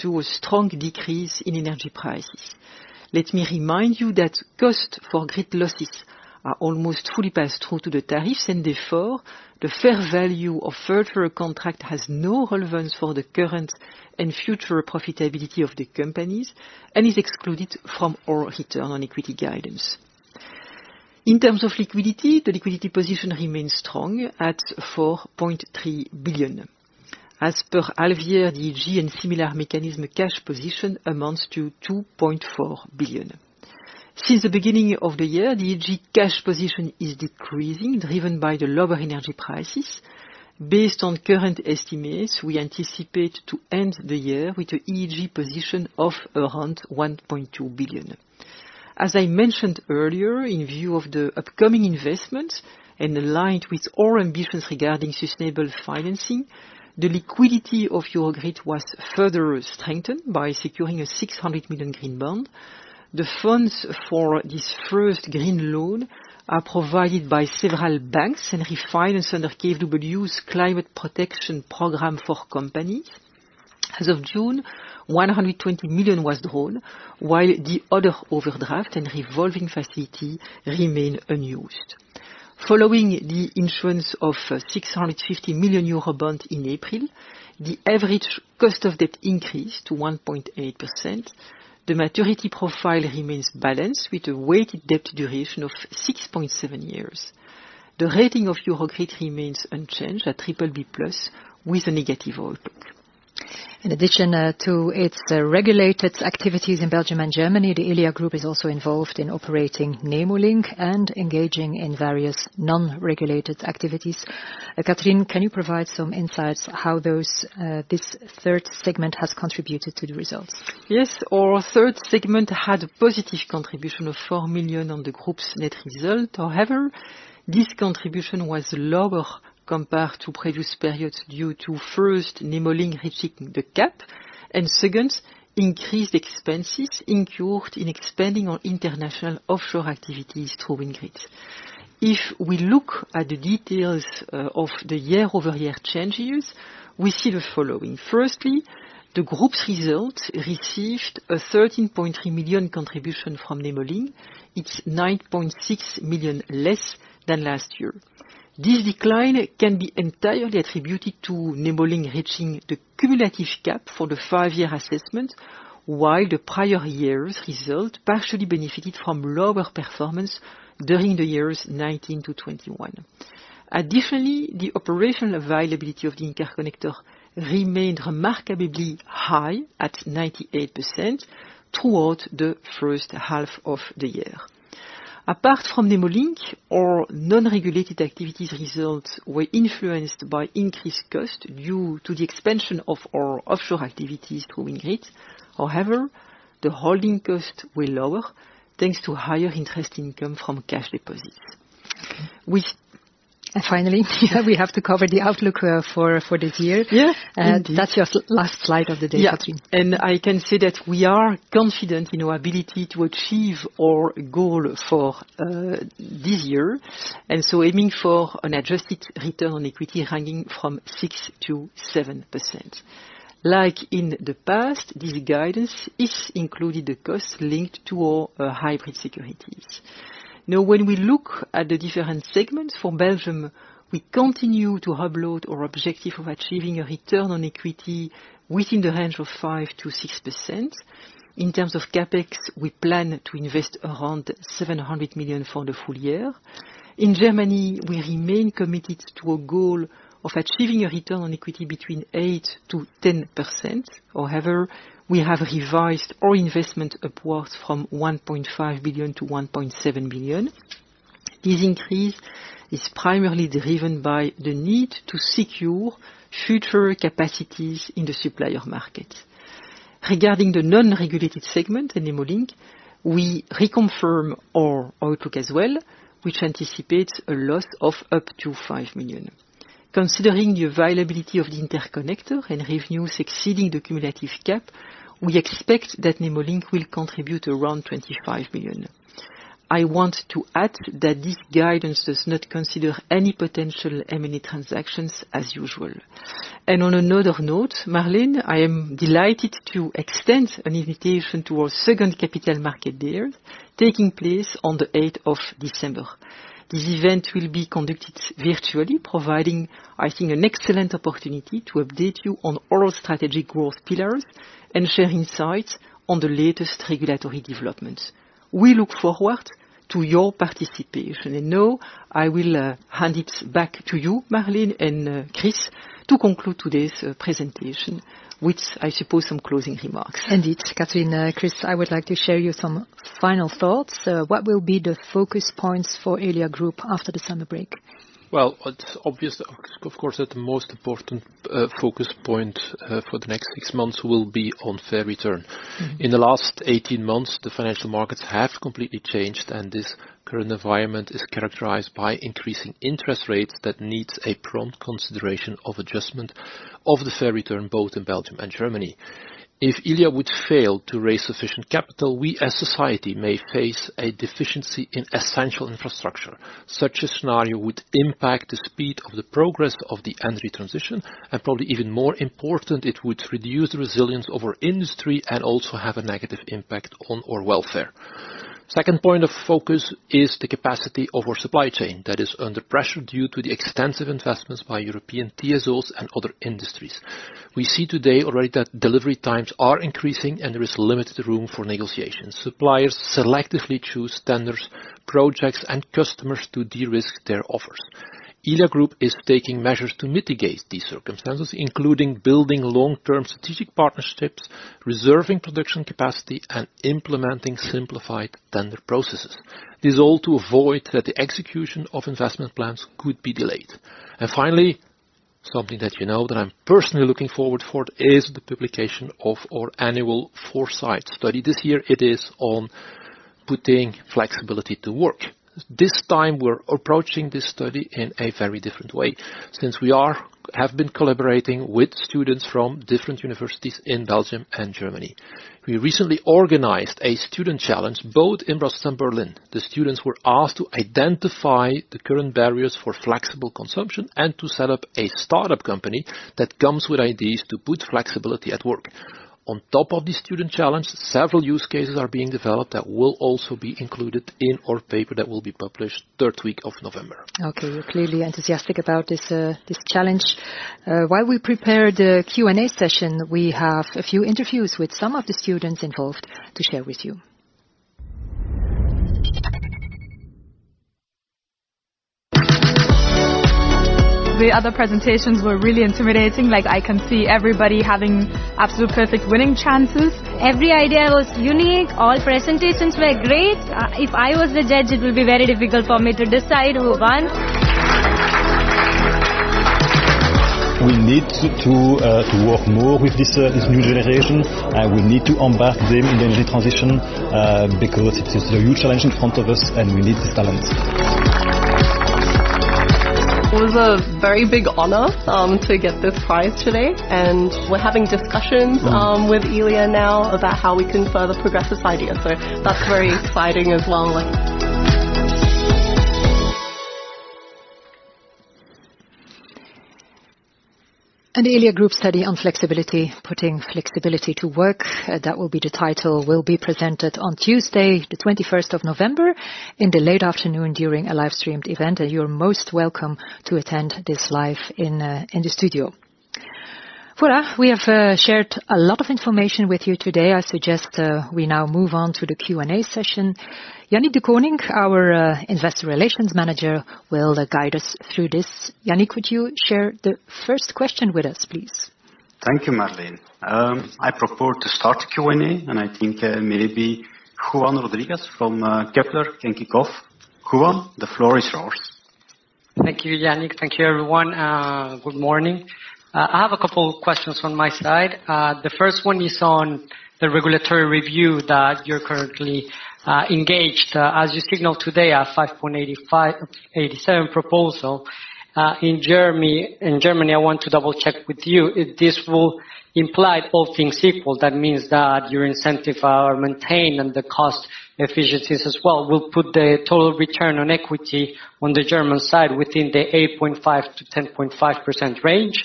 to a strong decrease in energy prices. Let me remind you that costs for grid losses are almost fully passed through to the tariffs, therefore, the fair value of further contract has no relevance for the current and future profitability of the companies and is excluded from all return on equity guidance. In terms of liquidity, the liquidity position remains strong at 4.3 billion. As per half year, the EEG and similar mechanism cash position amounts to 2.4 billion. Since the beginning of the year, the EEG cash position is decreasing, driven by the lower energy prices. Based on current estimates, we anticipate to end the year with an EEG position of around 1.2 billion. As I mentioned earlier, in view of the upcoming investments and aligned with our ambitions regarding sustainable financing, the liquidity of Eurogrid was further strengthened by securing a 600 million green bond. The funds for this first green loan are provided by several banks and refinanced under KfW Climate Protection Programme for companies. As of June, 120 million was drawn, while the other overdraft and revolving facility remain unused. Following the issuance of a 650 million euro bond in April, the average cost of debt increased to 1.8%. The maturity profile remains balanced, with a weighted debt duration of 6.7 years. The rating of Eurogrid remains unchanged at BBB+, with a negative outlook. In addition, to its regulated activities in Belgium and Germany, the Elia Group is also involved in operating Nemo Link and engaging in various non-regulated activities. Catherine, can you provide some insights how those, this third segment has contributed to the results? Yes. Our third segment had a positive contribution of 4 million on the group's net result. However, this contribution was lower compared to previous periods, due to, first, Nemo Link reaching the cap, and second, increased expenses incurred in expanding our international offshore activities through WindGrid. If we look at the details of the year-over-year changes, we see the following. Firstly, the group's results received a 13.3 million contribution from Nemo Link. It's 9.6 million less than last year. This decline can be entirely attributed to Nemo Link reaching the cumulative cap for the five-year assessment, while the prior year's result partially benefited from lower performance during the years '19 to '21. Additionally, the operational availability of the interconnector remained remarkably high at 98% throughout the first half of the year. Apart from Nemo Link, our non-regulated activities results were influenced by increased costs due to the expansion of our offshore activities through WindGrid. The holding cost were lower, thanks to higher interest income from cash deposits. Finally, we have to cover the outlook for this year. Yeah, indeed. That's your last slide of the day, Catherine. Yeah, I can say that we are confident in our ability to achieve our goal for this year, aiming for an adjusted return on equity ranging from 6%-7%. Like in the past, this guidance is including the costs linked to our hybrid securities. When we look at the different segments, for Belgium, we continue to upload our objective of achieving a return on equity within the range of 5%-6%. In terms of CAPEX, we plan to invest around 700 million for the full year. In Germany, we remain committed to a goal of achieving a return on equity between 8%-10%. We have revised our investment upwards from 1.5 billion-1.7 billion. This increase is primarily driven by the need to secure future capacities in the supplier market. Regarding the non-regulated segment, Nemo Link, we reconfirm our outlook as well, which anticipates a loss of up to 5 million. Considering the availability of the interconnector and revenues exceeding the cumulative cap, we expect that Nemo Link will contribute around 25 million. I want to add that this guidance does not consider any potential M&A transactions as usual. On another note, Marleen, I am delighted to extend an invitation to our second Capital Markets Day, taking place on the 8th of December. This event will be conducted virtually, providing, I think, an excellent opportunity to update you on all strategic growth pillars and share insights on the latest regulatory developments. We look forward to your participation. Now, I will hand it back to you, Marleen and Chris, to conclude today's presentation, with, I suppose, some closing remarks. Indeed, Catherine. Chris, I would like to share you some final thoughts. What will be the focus points for Elia Group after the summer break? Well, it's obvious, of course, that the most important focus point for the next six months will be on fair return. Mm-hmm. In the last 18 months, the financial markets have completely changed, and this current environment is characterized by increasing interest rates that needs a prompt consideration of adjustment of the fair return, both in Belgium and Germany. If Elia would fail to raise sufficient capital, we as society may face a deficiency in essential infrastructure. Such a scenario would impact the speed of the progress of the energy transition, and probably even more important, it would reduce the resilience of our industry and also have a negative impact on our welfare. Second point of focus is the capacity of our supply chain that is under pressure due to the extensive investments by European TSOs and other industries. We see today already that delivery times are increasing and there is limited room for negotiation. Suppliers selectively choose tenders, projects, and customers to de-risk their offers. Elia Group is taking measures to mitigate these circumstances, including building long-term strategic partnerships, reserving production capacity, and implementing simplified tender processes. This is all to avoid that the execution of investment plans could be delayed. Finally, something that you know, that I'm personally looking forward for, is the publication of our annual foresight study. This year it is on Putting Flexibility to Work. This time we have been collaborating with students from different universities in Belgium and Germany. We recently organized a student challenge, both in Brussels and Berlin. The students were asked to identify the current barriers for flexible consumption and to set up a startup company that comes with ideas to put flexibility at work. On top of the student challenge, several use cases are being developed that will also be included in our paper that will be published 3rd week of November. Okay, you're clearly enthusiastic about this challenge. While we prepare the Q&A session, we have a few interviews with some of the students involved to share with you. The other presentations were really intimidating. Like, I can see everybody having absolute perfect winning chances. Every idea was unique. All presentations were great. If I was the judge, it would be very difficult for me to decide who won. We need to work more with this new generation, and we need to embark them in the energy transition, because it is a huge challenge in front of us, and we need the talent. It was a very big honor, to get this prize today, and we're having discussions. Mm-hmm... with Elia now about how we can further progress this idea. That's very exciting as well. An Elia Group study on flexibility, Putting Flexibility to Work, that will be the title, will be presented on Tuesday, the 21st of November, in the late afternoon during a live-streamed event. You're most welcome to attend this live in the studio. Voila! We have shared a lot of information with you today. I suggest we now move on to the Q&A session. Yannick De Koning, our Investor Relations Manager, will guide us through this. Yannick, would you share the first question with us, please? Thank you, Marleen. I propose to start the Q&A, and I think maybe Juan Rodriguez from Kepler can kick off. Juan, the floor is yours. Thank you, Yannick. Thank you, everyone. Good morning. I have a couple questions on my side. The first one is on the regulatory review that you're currently engaged. As you signaled today, a 5.85%, 5.87% proposal in Germany. In Germany, I want to double-check with you, if this will imply, all things equal, that means that your incentive are maintained and the cost efficiencies as well, will put the total return on equity on the German side within the 8.5%-10.5% range.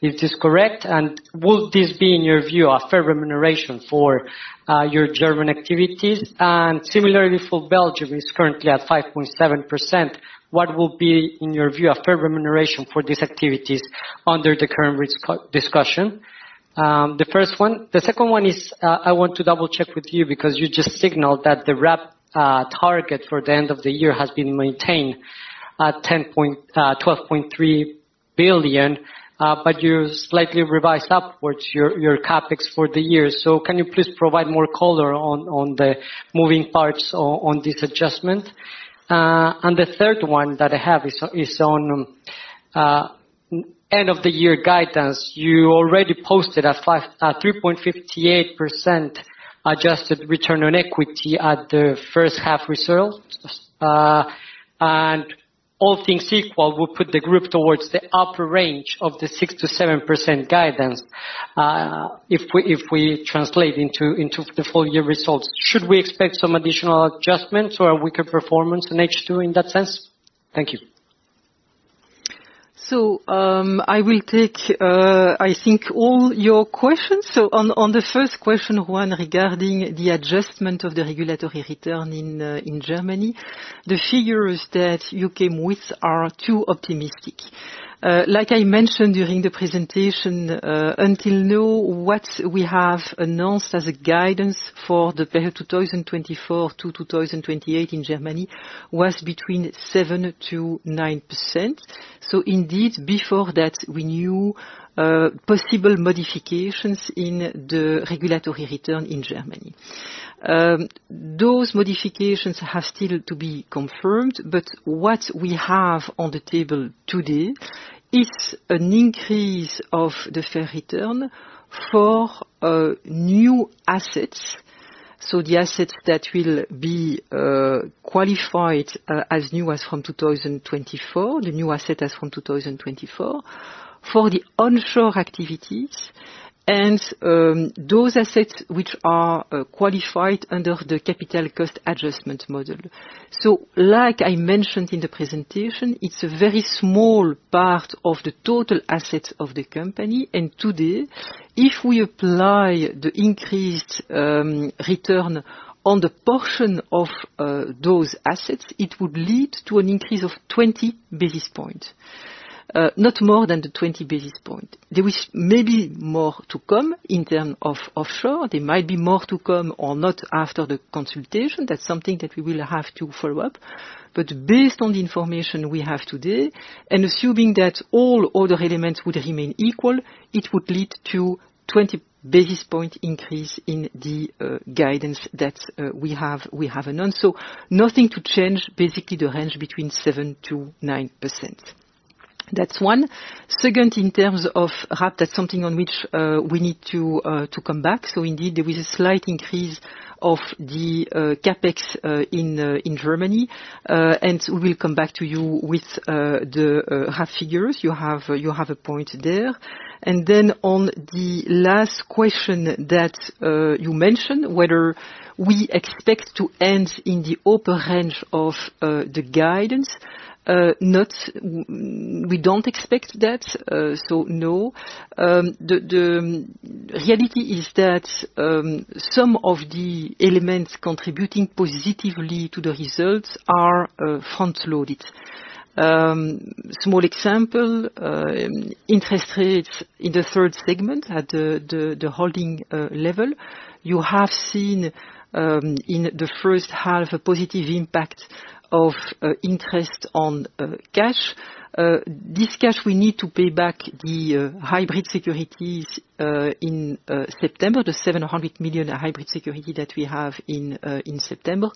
Is this correct? Would this be, in your view, a fair remuneration for your German activities? Similarly for Belgium, is currently at 5.7%. What will be, in your view, a fair remuneration for these activities under the current risk co- discussion? The first one. The second one is, I want to double-check with you because you just signaled that the RAB target for the end of the year has been maintained at 12.3 billion, but you slightly revised upwards your CapEx for the year. Can you please provide more color on the moving parts on this adjustment? The third one that I have is on end of the year guidance. You already posted a 3.58% adjusted return on equity at the first half results. All things equal, will put the group towards the upper range of the 6%-7% guidance, if we translate into the full year results. Should we expect some additional adjustments or a weaker performance in H2, in that sense? Thank you. I will take all your questions. On the first question, Juan, regarding the adjustment of the regulatory return in Germany, the figures that you came with are too optimistic. Like I mentioned during the presentation, until now, what we have announced as a guidance for the period 2024-2028 in Germany was between 7%-9%. Indeed, before that, we knew possible modifications in the regulatory return in Germany. Those modifications have still to be confirmed, but what we have on the table today is an increase of the fair return for new assets. The assets that will be qualified as new as from 2024, the new asset as from 2024, for the onshore activities and those assets which are qualified under the capital cost adjustment model. Like I mentioned in the presentation, it's a very small part of the total assets of the company, today. If we apply the increased return on the portion of those assets, it would lead to an increase of 20 basis points, not more than the 20 basis point. There is maybe more to come in term of offshore. There might be more to come or not after the consultation. That's something that we will have to follow up. Based on the information we have today, and assuming that all other elements would remain equal, it would lead to 20 basis point increase in the guidance that we have announced. Nothing to change, basically, the range between 7%-9%. That's one. Second, in terms of RAB, that's something on which we need to come back. Indeed, there is a slight increase of the CAPEX in Germany. We will come back to you with the half figures. You have a point there. On the last question that you mentioned, whether we expect to end in the upper range of the guidance, we don't expect that. No. The reality is that some of the elements contributing positively to the results are front-loaded. Small example, interest rates in the third segment at the holding level. You have seen in the first half, a positive impact of interest on cash. This cash, we need to pay back the hybrid securities in September, the 700 million hybrid security that we have in September.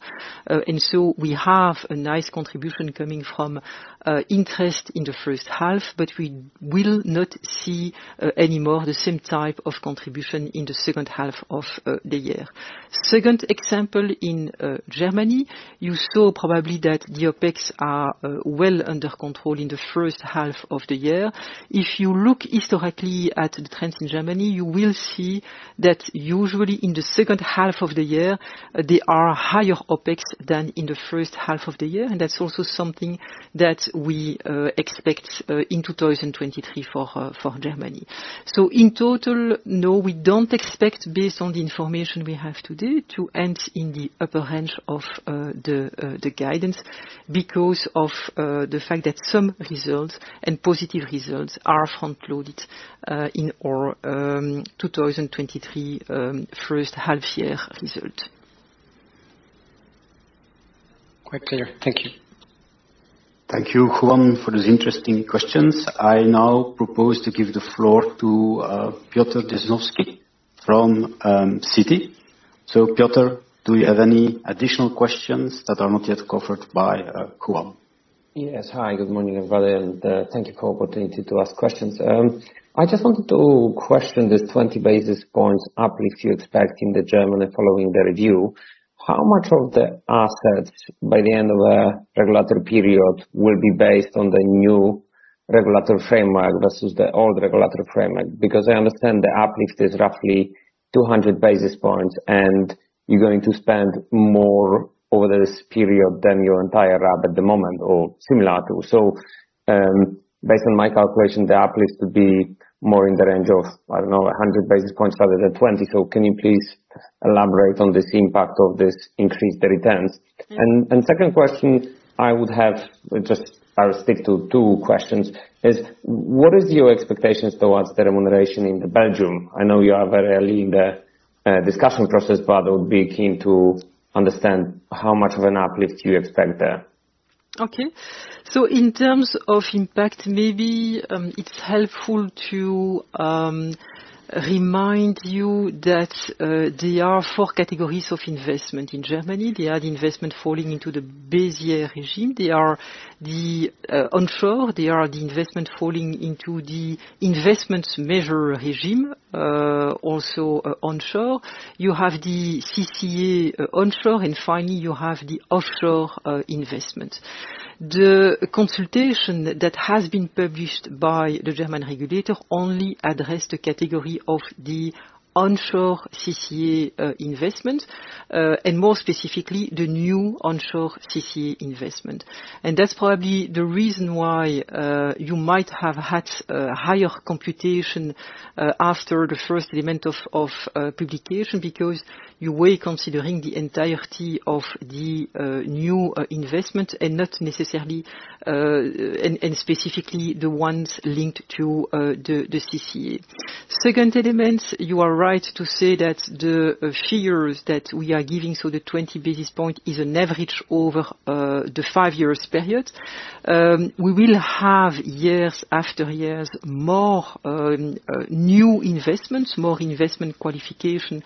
We have a nice contribution coming from interest in the first half, but we will not see any more the same type of contribution in the second half of the year. Second example, in Germany, you saw probably that the OpEx are well under control in the first half of the year. If you look historically at the trends in Germany, you will see that usually in the second half of the year, there are higher OpEx than in the first half of the year, and that's also something that we expect in 2023 for Germany. In total, no, we don't expect, based on the information we have today, to end in the upper range of the guidance, because of the fact that some results and positive results are front-loaded in our 2023 first half year result. Quite clear. Thank you. Thank you, Juan, for those interesting questions. I now propose to give the floor to Piotr Dzieciolowski from Citi. Piotr, do you have any additional questions that are not yet covered by Juan? Yes. Hi, good morning, everybody, and thank you for the opportunity to ask questions. I just wanted to question this 20 basis points uplift you expect in Germany following the review. How much of the assets by the end of the regulatory period will be based on the new regulatory framework versus the old regulatory framework? Because I understand the uplift is roughly 200 basis points, and you're going to spend more over this period than your entire RAB at the moment or similar to. Based on my calculation, the uplift would be more in the range of, I don't know, 100 basis points rather than 20. Can you please elaborate on this impact of this increased returns? Second question I would have, just I will stick to 2 questions, is what is your expectations towards the remuneration in Belgium? I know you are very early in the discussion process, but I would be keen to understand how much of an uplift you expect there. In terms of impact, maybe, it's helpful to remind you that there are four categories of investment in Germany. They are the investment falling into the base year regime. They are the onshore. They are the investment falling into the Investment Measure regime, also onshore. You have the CCA onshore, and finally, you have the offshore investment. The consultation that has been published by the German regulator only addressed the category of the onshore CCA investment, and more specifically, the new onshore CCA investment. That's probably the reason why you might have had a higher computation after the first element of publication, because you were considering the entirety of the new investment and not necessarily and specifically the ones linked to the CCA. Second element, you are right to say that the figures that we are giving, so the 20 basis point, is an average over the five years period. We will have years after years, more new investments, more investment qualification,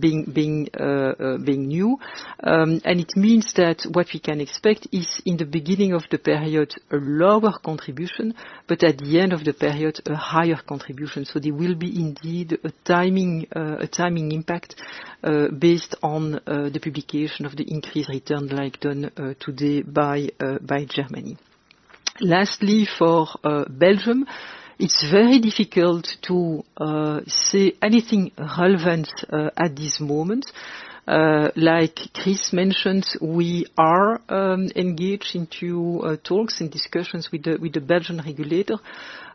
being new. And it means that what we can expect is, in the beginning of the period, a lower contribution, but at the end of the period, a higher contribution. There will be indeed a timing, a timing impact, based on the publication of the increased return, like done today by Germany. Lastly, for Belgium, it's very difficult to say anything relevant at this moment. Like Chris mentioned, we are engaged into talks and discussions with the Belgian regulator,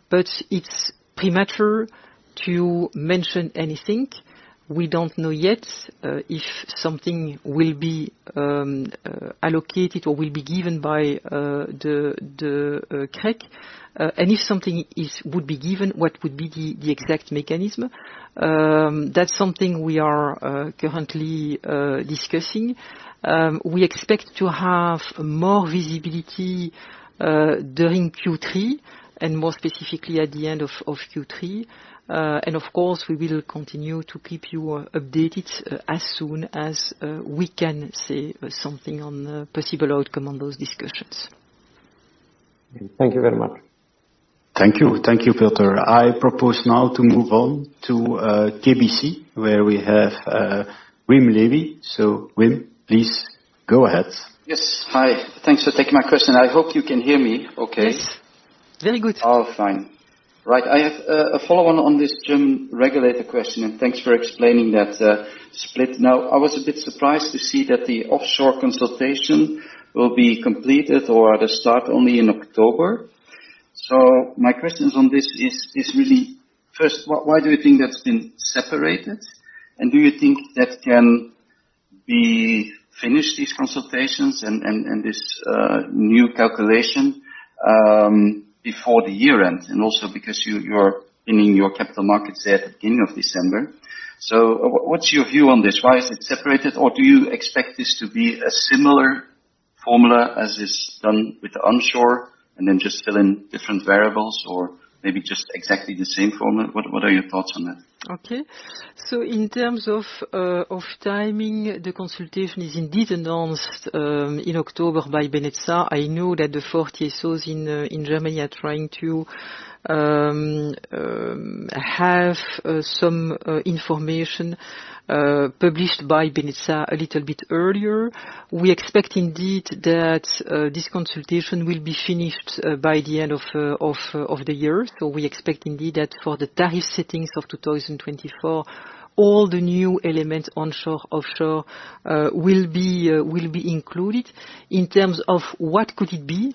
but it's premature to mention anything. We don't know yet if something will be allocated or will be given by the CREG. If something would be given, what would be the exact mechanism? That's something we are currently discussing. We expect to have more visibility during Q3, and more specifically, at the end of Q3. Of course, we will continue to keep you updated, as soon as we can say something on the possible outcome on those discussions. Thank you very much. Thank you. Thank you, Piotr. I propose now to move on to KBC, where we have Wim Lewi. Wim, please go ahead. Yes. Hi. Thanks for taking my question. I hope you can hear me okay. Yes. Very good. Oh, fine. Right. I have a follow-on on this German regulator question, and thanks for explaining that split. I was a bit surprised to see that the offshore consultation will be completed or at a start only in October. My questions on this is really, first, why do you think that's been separated? Do you think that can be finished, these consultations and this new calculation before the year end? Also because you're ending your Capital Markets Day at the beginning of December. What's your view on this? Why is it separated, or do you expect this to be a similar formula as is done with the onshore, and then just fill in different variables, or maybe just exactly the same formula? What are your thoughts on that? In terms of timing, the consultation is indeed announced in October by BNetzA. I know that the four TSOs in Germany are trying to have some information published by BNetzA a little bit earlier. We expect, indeed, that this consultation will be finished by the end of the year. We expect, indeed, that for the tariff settings of 2024, all the new elements onshore, offshore will be included. In terms of what could it be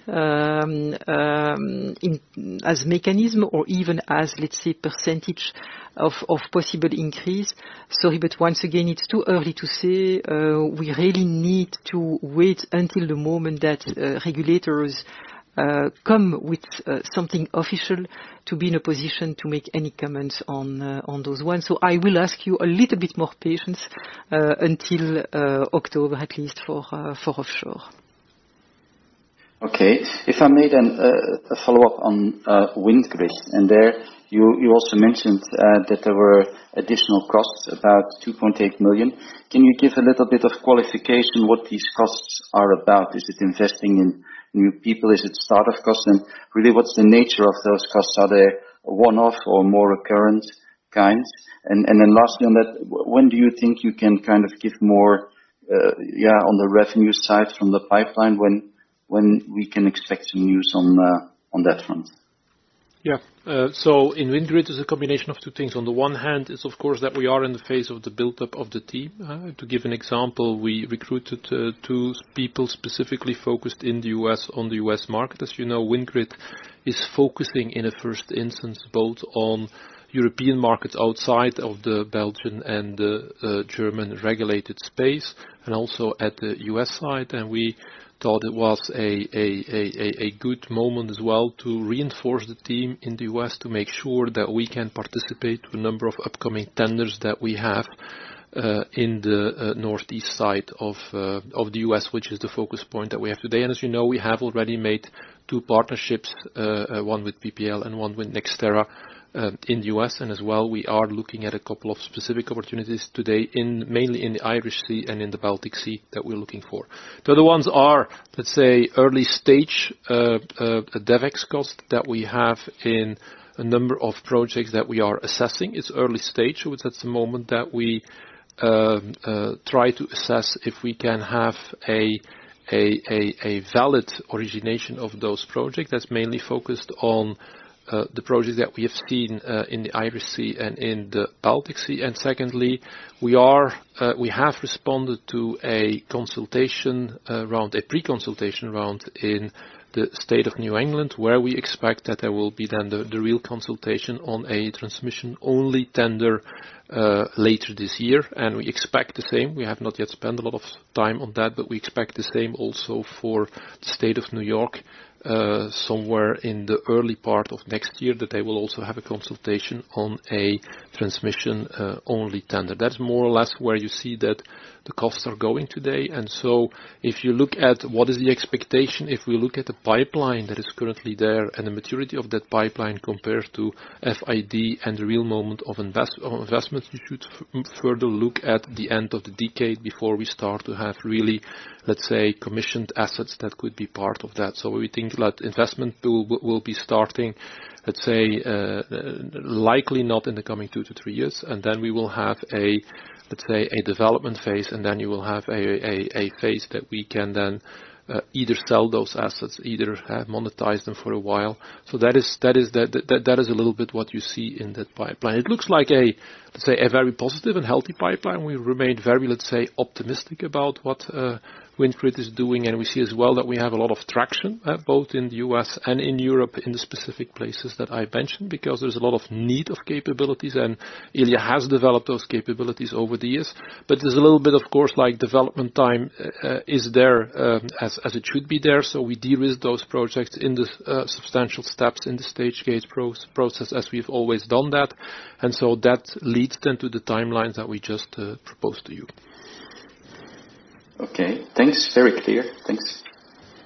as mechanism or even as, let's say, % of possible increase, sorry, but once again, it's too early to say. We really need to wait until the moment that regulators come with something official to be in a position to make any comments on those ones. I will ask you a little bit more patience until October, at least for offshore. Okay. If I made an, a follow-up on, WindGrid, and there, you also mentioned that there were additional costs, about 2.8 million. Can you give a little bit of qualification what these costs are about? Is it investing in new people? Is it start-up costs? Really, what's the nature of those costs? Are they one-off or more recurrent kinds? Then lastly on that, when do you think you can kind of give more, yeah, on the revenue side from the pipeline, when we can expect some news on that front? Yeah. In WindGrid, it's a combination of 2 things. On the one hand, it's of course, that we are in the phase of the build-up of the team. To give an example, we recruited 2 people specifically focused in the U.S., on the U.S. market. As you know, WindGrid is focusing, in a 1st instance, both on European markets outside of the Belgian and German regulated space, and also at the U.S. side. We thought it was a good moment as well to reinforce the team in the U.S., to make sure that we can participate to a number of upcoming tenders that we have in the northeast side of the U.S., which is the focus point that we have today. As you know, we have already made 2 partnerships, 1 with PPL and 1 with NextEra, in the U.S. As well, we are looking at a couple of specific opportunities today in, mainly in the Irish Sea and in the Baltic Sea, that we're looking for. The other ones are, let's say, early stage DevEx cost that we have in a number of projects that we are assessing. It's early stage, so it's at the moment that we try to assess if we can have a valid origination of those projects. That's mainly focused on the projects that we have seen in the Irish Sea and in the Baltic Sea. Secondly, we have responded to a consultation round, a pre-consultation round in the state of New England, where we expect that there will be then the real consultation on a transmission-only tender later this year. We expect the same. We have not yet spent a lot of time on that, but we expect the same also for the state of New York somewhere in the early part of next year, that they will also have a consultation on a transmission only tender. That's more or less where you see that the costs are going today. If you look at what is the expectation, if we look at the pipeline that is currently there, and the maturity of that pipeline compared to FID and the real moment of investment, you should further look at the end of the decade before we start to have really, let's say, commissioned assets that could be part of that. We think that investment tool will be starting, let's say, likely not in the coming two to three years, and then we will have a, let's say, a development phase, and then you will have a phase that we can then either sell those assets, either monetize them for a while. That is a little bit what you see in that pipeline. It looks like a.... Let's say, a very positive and healthy pipeline. We remain very, let's say, optimistic about what WindGrid is doing. We see as well that we have a lot of traction both in the U.S. and in Europe, in the specific places that I mentioned, because there's a lot of need of capabilities. Elia has developed those capabilities over the years. There's a little bit, of course, like, development time is there as it should be there, so we de-risk those projects in substantial steps in the stage gate process, as we've always done that. That leads then to the timelines that we just proposed to you. Okay, thanks. Very clear. Thanks.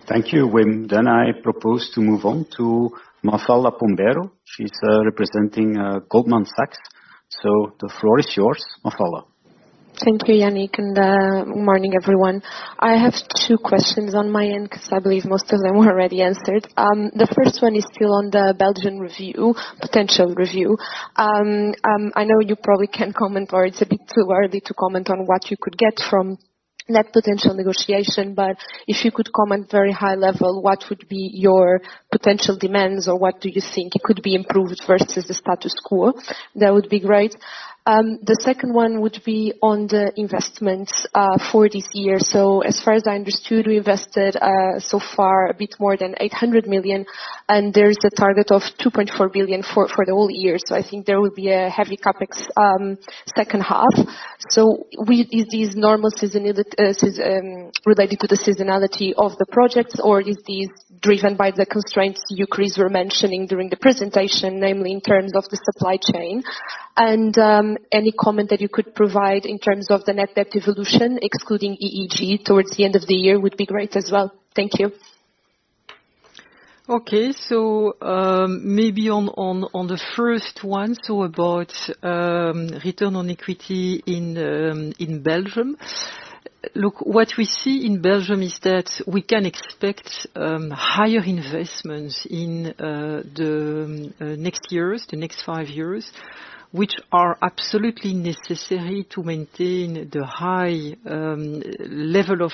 Thank you, Wim. I propose to move on to Mafalda Pombeiro. She's representing Goldman Sachs. The floor is yours, Mafalda. Thank you, Yannick, and morning, everyone. I have two questions on my end, 'cause I believe most of them were already answered. The first one is still on the Belgian review, potential review. I know you probably can't comment, or it's a bit too early to comment on what you could get from that potential negotiation, but if you could comment very high level, what would be your potential demands, or what do you think could be improved versus the status quo? That would be great. The second one would be on the investments for this year. As far as I understood, we invested so far a bit more than 800 million, and there is a target of 2.4 billion for the whole year, so I think there will be a heavy CAPEX second half. Is this normal seasonality, season, related to the seasonality of the projects, or is this driven by the constraints you, Chris, were mentioning during the presentation, namely in terms of the supply chain? Any comment that you could provide in terms of the net debt evolution, excluding EEG, towards the end of the year, would be great as well. Thank you. Okay. Maybe on the first one, so about return on equity in Belgium. Look, what we see in Belgium is that we can expect higher investments in the next years, the next five years, which are absolutely necessary to maintain the high level of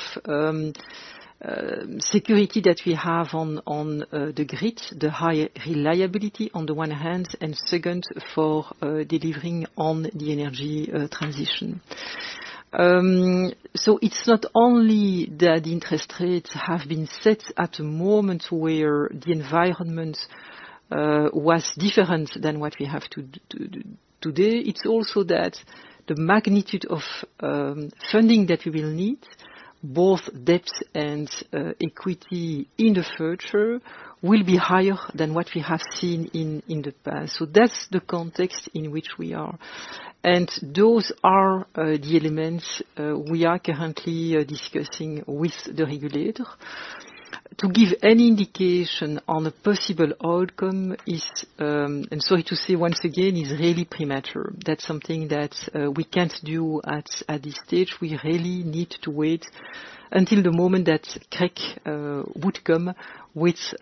security that we have on the grid, the high reliability, on the one hand, and second, for delivering on the energy transition. It's not only that interest rates have been set at a moment where the environment was different than what we have today. It's also that the magnitude of funding that we will need, both debt and equity in the future, will be higher than what we have seen in the past. That's the context in which we are, and those are the elements we are currently discussing with the regulator. To give any indication on a possible outcome, I'm sorry to say once again, is really premature. That's something that we can't do at this stage. We really need to wait until the moment that CREG would come with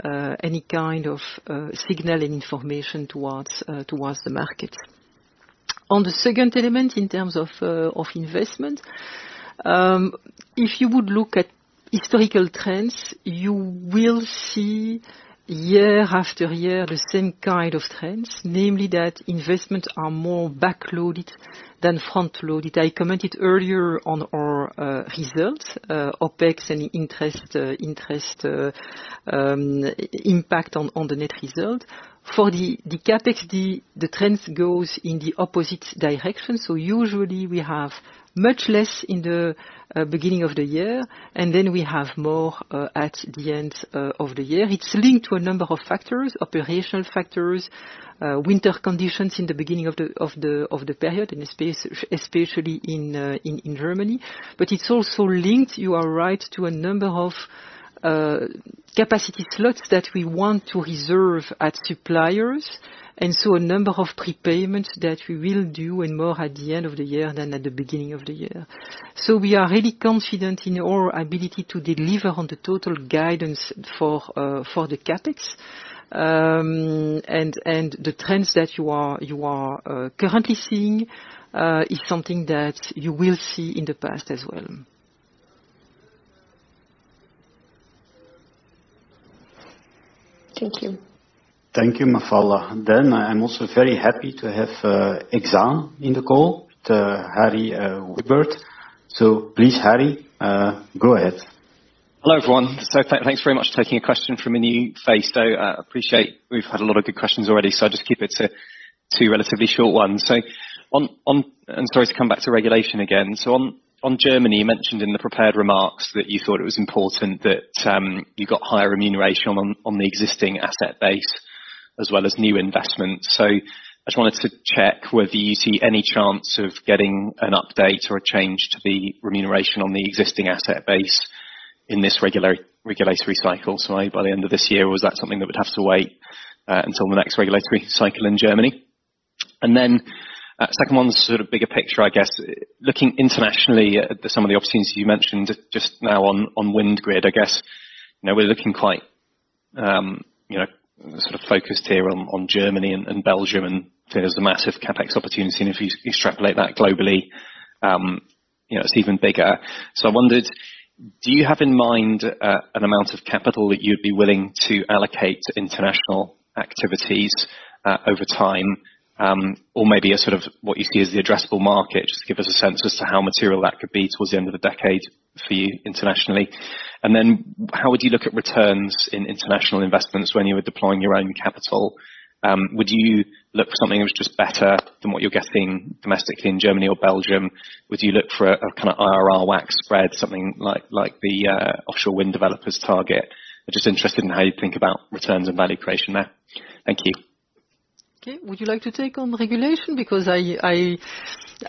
any kind of signal and information towards the market. On the second element, in terms of investment, if you would look at historical trends, you will see year after year, the same kind of trends, namely, that investments are more backloaded than front-loaded. I commented earlier on our results, OPEX and interest impact on the net result. For the CapEx, the trends goes in the opposite direction, usually we have much less in the beginning of the year, and then we have more at the end of the year. It's linked to a number of factors, operational factors, winter conditions in the beginning of the period, especially in Germany. It's also linked, you are right, to a number of capacity slots that we want to reserve at suppliers, and so a number of prepayments that we will do, and more at the end of the year than at the beginning of the year. We are really confident in our ability to deliver on the total guidance for the CapEx. The trends that you are currently seeing is something that you will see in the past as well. Thank you. Thank you, Mafalda. I'm also very happy to have Exane in the call, Harry Wyburd. Please, Harry, go ahead. Hello, everyone. Thanks very much for taking a question from a new face, though, appreciate we've had a lot of good questions already, I'll just keep it to 2 relatively short ones. Sorry to come back to regulation again. On Germany, you mentioned in the prepared remarks that you thought it was important that you got higher remuneration on the existing asset base as well as new investments. I just wanted to check whether you see any chance of getting an update or a change to the remuneration on the existing asset base in this regulatory cycle, by the end of this year, or is that something that would have to wait until the next regulatory cycle in Germany? 2nd one's sort of bigger picture, I guess. Looking internationally at some of the opportunities you mentioned just now on WindGrid, I guess, you know, we're looking quite, you know, sort of focused here on Germany and Belgium, and there's a massive CAPEX opportunity, and if you extrapolate that globally, You know, it's even bigger. I wondered, do you have in mind an amount of capital that you'd be willing to allocate to international activities over time? Or maybe a sort of what you see as the addressable market, just give us a sense as to how material that could be towards the end of the decade for you internationally. How would you look at returns in international investments when you are deploying your own capital? Would you look for something that was just better than what you're getting domestically in Germany or Belgium? Would you look for a kind of IRR WACC spread, something like the offshore wind developers target? I'm just interested in how you think about returns and value creation there. Thank you. Okay. Would you like to take on regulation?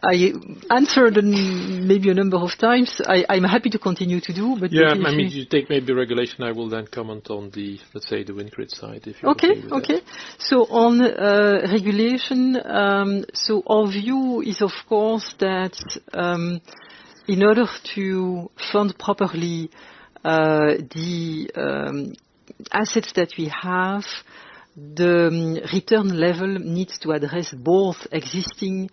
I answered them maybe a number of times. I'm happy to continue to do. Yeah, I mean, you take maybe regulation, I will then comment on the, let's say, the WindGrid side, if you are okay with that. Okay, okay. On regulation, our view is, of course, that in order to fund properly, the assets that we have, the return level needs to address both existing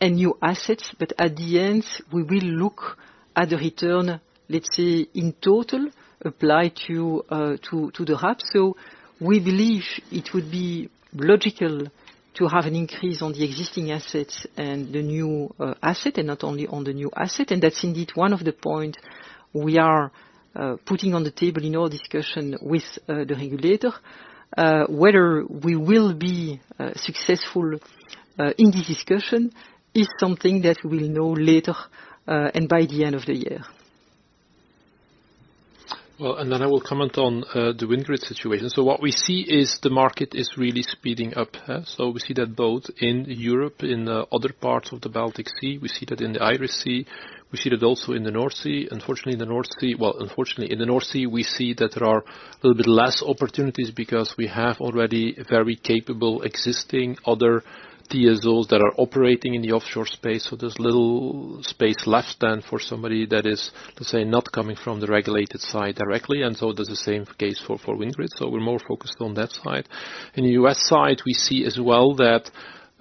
and new assets, but at the end, we will look at the return, let's say, in total, apply to the hub. We believe it would be logical to have an increase on the existing assets and the new asset, and not only on the new asset, and that's indeed one of the point we are putting on the table in our discussion with the regulator. Whether we will be successful in this discussion is something that we'll know later and by the end of the year. Then I will comment on the WindGrid situation. What we see is the market is really speeding up, so we see that both in Europe, in other parts of the Baltic Sea. We see that in the Irish Sea, we see that also in the North Sea. Unfortunately, in the North Sea, we see that there are a little bit less opportunities because we have already very capable existing other TSO that are operating in the offshore space. There's little space left than for somebody that is, let's say, not coming from the regulated side directly. That's the same case for WindGrid, so we're more focused on that side. In the U.S. side, we see as well that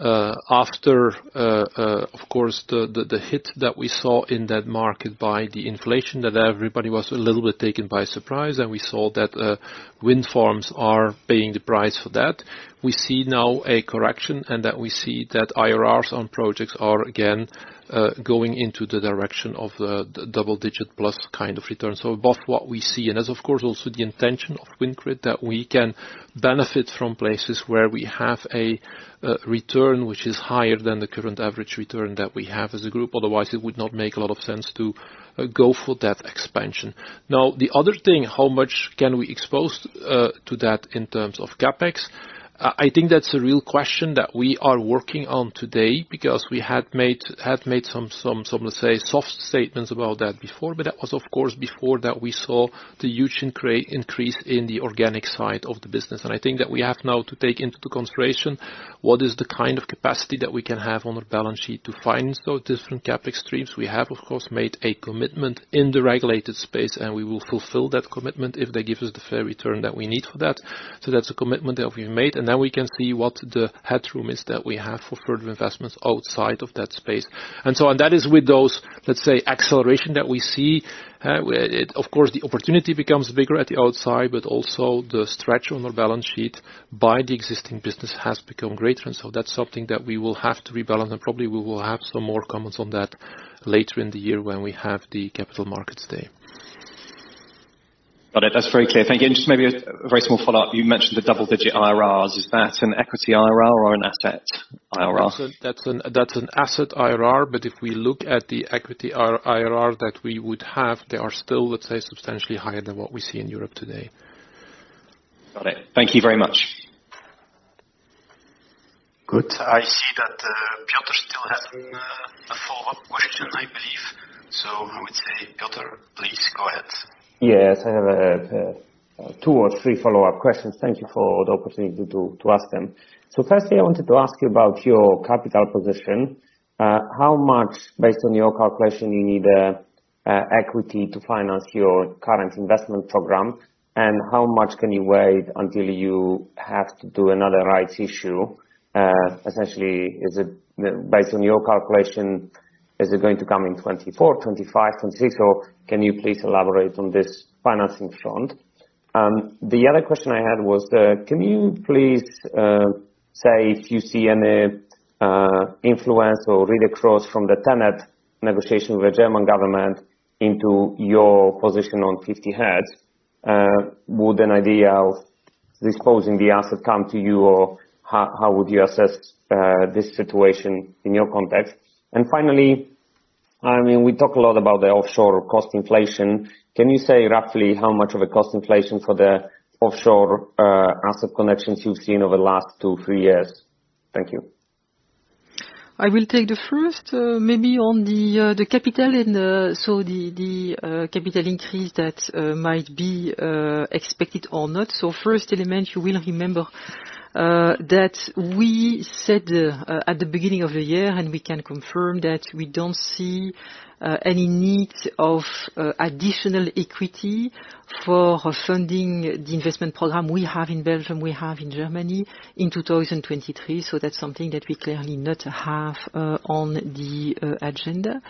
after of course, the hit that we saw in that market by the inflation, that everybody was a little bit taken by surprise. We saw that wind farms are paying the price for that. We see now a correction. We see that IRRs on projects are again going into the direction of the double digit plus kind of return. Both what we see, and that's, of course, also the intention of WindGrid, that we can benefit from places where we have a return which is higher than the current average return that we have as a group. Otherwise, it would not make a lot of sense to go for that expansion. Now, the other thing, how much can we expose to that in terms of CAPEX? I think that's a real question that we are working on today, because we had made some, let's say, soft statements about that before, but that was, of course, before that we saw the huge increase in the organic side of the business. I think that we have now to take into consideration what is the kind of capacity that we can have on the balance sheet to find those different CAPEX streams. We have, of course, made a commitment in the regulated space, and we will fulfill that commitment if they give us the fair return that we need for that. That's a commitment that we've made, and now we can see what the headroom is that we have for further investments outside of that space. That is with those, let's say, acceleration that we see, Of course, the opportunity becomes bigger at the outside, but also the stretch on the balance sheet by the existing business has become greater, and so that's something that we will have to rebalance, and probably we will have some more comments on that later in the year when we have the Capital Markets Day. Got it. That's very clear. Thank you. Just maybe a very small follow-up. You mentioned the double-digit IRRs. Is that an equity IRR or an asset IRR? That's an asset IRR. If we look at the equity IRR that we would have, they are still, let's say, substantially higher than what we see in Europe today. Got it. Thank you very much. Good. I see that, Piotr still has a follow-up question, I believe. I would say, Piotr, please go ahead. Yes, I have two or three follow-up questions. Thank you for the opportunity to ask them. Firstly, I wanted to ask you about your capital position. How much, based on your calculation, you need equity to finance your current investment program? How much can you wait until you have to do another right issue? Essentially, is it, based on your calculation, is it going to come in 2024, 2025, 2026, or can you please elaborate on this financing front? The other question I had was, can you please say if you see any influence or read across from the TenneT negotiation with the German government into your position on 50Hertz, would an idea of disposing the asset come to you, or how would you assess this situation in your context? Finally, I mean, we talk a lot about the offshore cost inflation. Can you say roughly how much of a cost inflation for the offshore asset connections you've seen over the last 2, 3 years? Thank you. I will take the first, maybe on the capital and the capital increase that might be expected or not. First element, you will remember that we said at the beginning of the year, and we can confirm, that we don't see any need of additional equity for funding the investment program we have in Belgium, we have in Germany in 2023, that's something that we clearly not have on the agenda.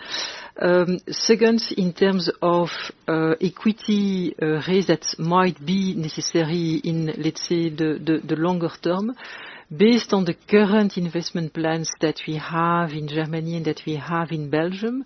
Second, in terms of equity raise, that might be necessary in, let's say, the longer term. Based on the current investment plans that we have in Germany and that we have in Belgium,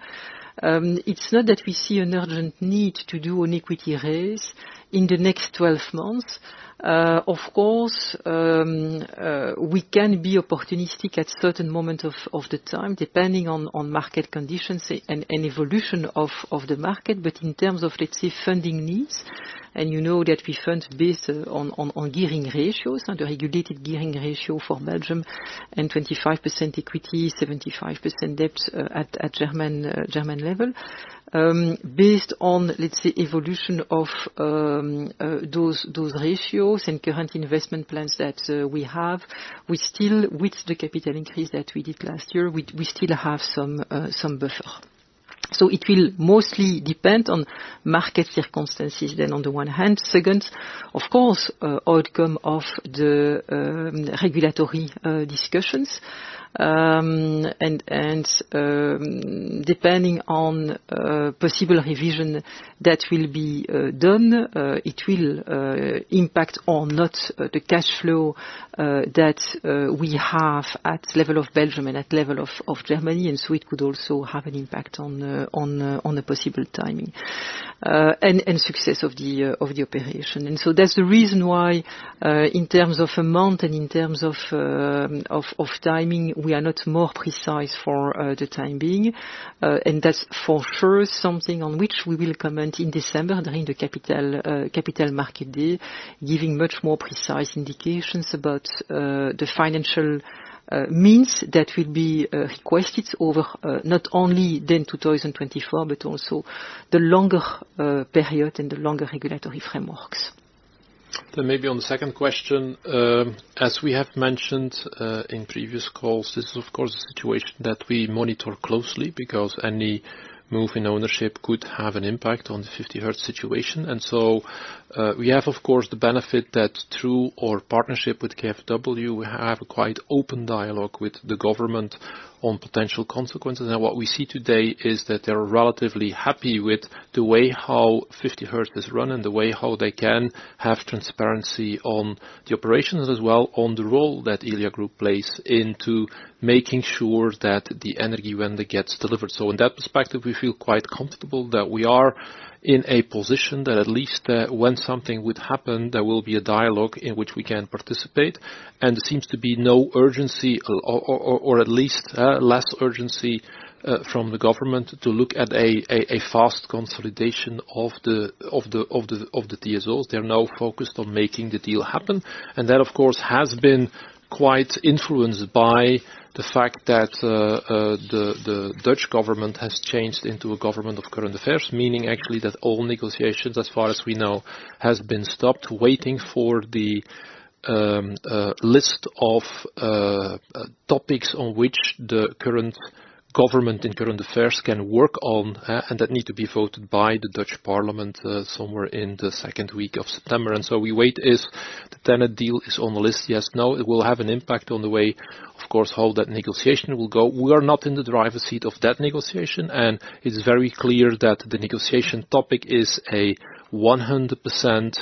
it's not that we see an urgent need to do an equity raise in the next 12 months. Of course, we can be opportunistic at certain moment of the time, depending on market conditions and evolution of the market. In terms of, let's say, funding needs, and you know that we fund based on gearing ratios and the regulated gearing ratio for Belgium, and 25% equity, 75% debt, at German level. Based on, let's say, evolution of those ratios and current investment plans that we have, we still with the capital increase that we did last year, we still have some buffer. It will mostly depend on market circumstances then, on the one hand. Second, of course, outcome of the regulatory discussions. And depending on possible revision that will be done, it will impact on not the cash flow that we have at level of Belgium and at level of Germany, and so it could also have an impact on the on a possible timing and success of the operation. So that's the reason why in terms of amount and in terms of timing, we are not more precise for the time being. And that's for sure, something on which we will comment in December, during the Capital Markets Day, giving much more precise indications about the financial means that will be requested over not only 2024, but also the longer period and the longer regulatory frameworks. Maybe on the second question. As we have mentioned, in previous calls, this is of course, the situation that we monitor closely, because any move in ownership could have an impact on the 50Hertz situation. We have, of course, the benefit that through our partnership with KfW, we have a quite open dialogue with the government on potential consequences. What we see today is that they're relatively happy with the way how 50Hertz is run, and the way how they can have transparency on the operations as well on the role that Elia Group plays into making sure that the Energiewende gets delivered. In that perspective, we feel quite comfortable that we are in a position that at least, when something would happen, there will be a dialogue in which we can participate. There seems to be no urgency, or at least, less urgency, from the government to look at a fast consolidation of the TSOs. They're now focused on making the deal happen, and that, of course, has been quite influenced by the fact that the Dutch government has changed into a government of current affairs. Meaning actually, that all negotiations, as far as we know, has been stopped, waiting for the list of topics on which the current government in current affairs can work on, and that need to be voted by the Dutch Parliament, somewhere in the second week of September. We wait, is the TenneT deal on the list, yes, no? It will have an impact on the way, of course, how that negotiation will go. We are not in the driver's seat of that negotiation. It's very clear that the negotiation topic is a 100%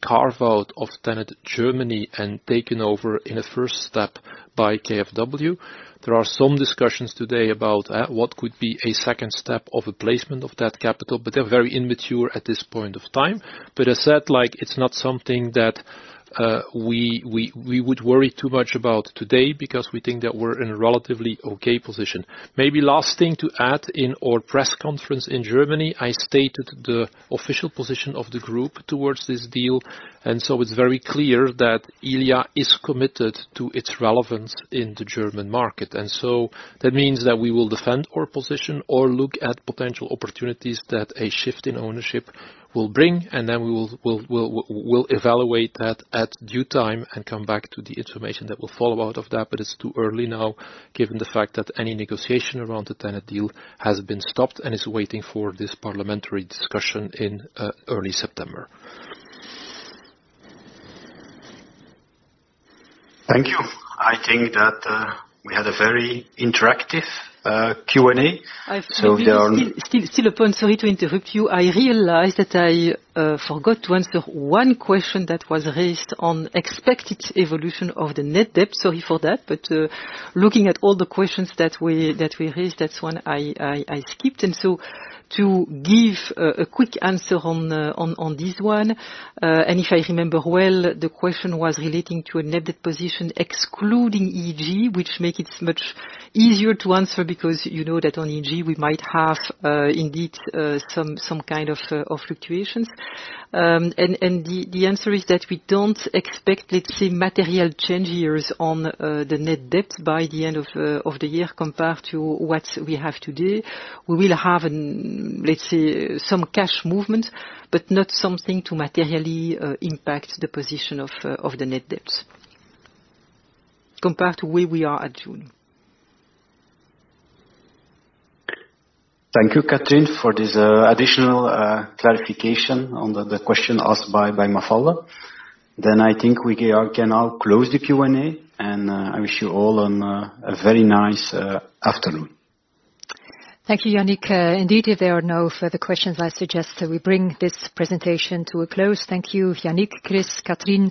carve out of TenneT Germany and taken over in a first step by KfW. There are some discussions today about what could be a second step of a placement of that capital. They're very immature at this point of time. As said, like, it's not something that we would worry too much about today, because we think that we're in a relatively okay position. Maybe last thing to add, in our press conference in Germany, I stated the official position of the group towards this deal. It's very clear that Elia is committed to its relevance in the German market. That means that we will defend our position or look at potential opportunities that a shift in ownership will bring, and then we will evaluate that at due time and come back to the information that will follow out of that. It's too early now, given the fact that any negotiation around the TenneT deal has been stopped and is waiting for this parliamentary discussion in early September. Thank you. I think that we had a very interactive Q&A. Still a point. Sorry to interrupt you. I realized that I forgot to answer one question that was raised on expected evolution of the net debt. Sorry for that. Looking at all the questions that we raised, that's one I skipped. To give a quick answer on this one, and if I remember well, the question was relating to a net debt position, excluding EEG, which make it much easier to answer because you know that on EEG we might have indeed some kind of fluctuations. The answer is that we don't expect, let's say, material change here on the net debt by the end of the year, compared to what we have today. We will have, let's say, some cash movement, but not something to materially impact the position of the net debt compared to where we are at June. Thank you, Catherine, for this additional clarification on the question asked by Mafalda. I think we can now close the Q&A, and I wish you all a very nice afternoon. Thank you, Yannick. Indeed, if there are no further questions, I suggest that we bring this presentation to a close. Thank you, Yannick, Chris, Catherine,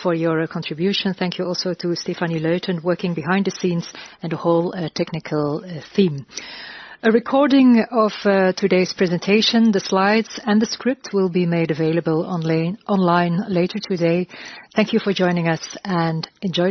for your contribution. Thank you also to Stéphanie Luyten, working behind the scenes and the whole technical team. A recording of today's presentation, the slides and the script will be made available online later today. Thank you for joining us and enjoy your day.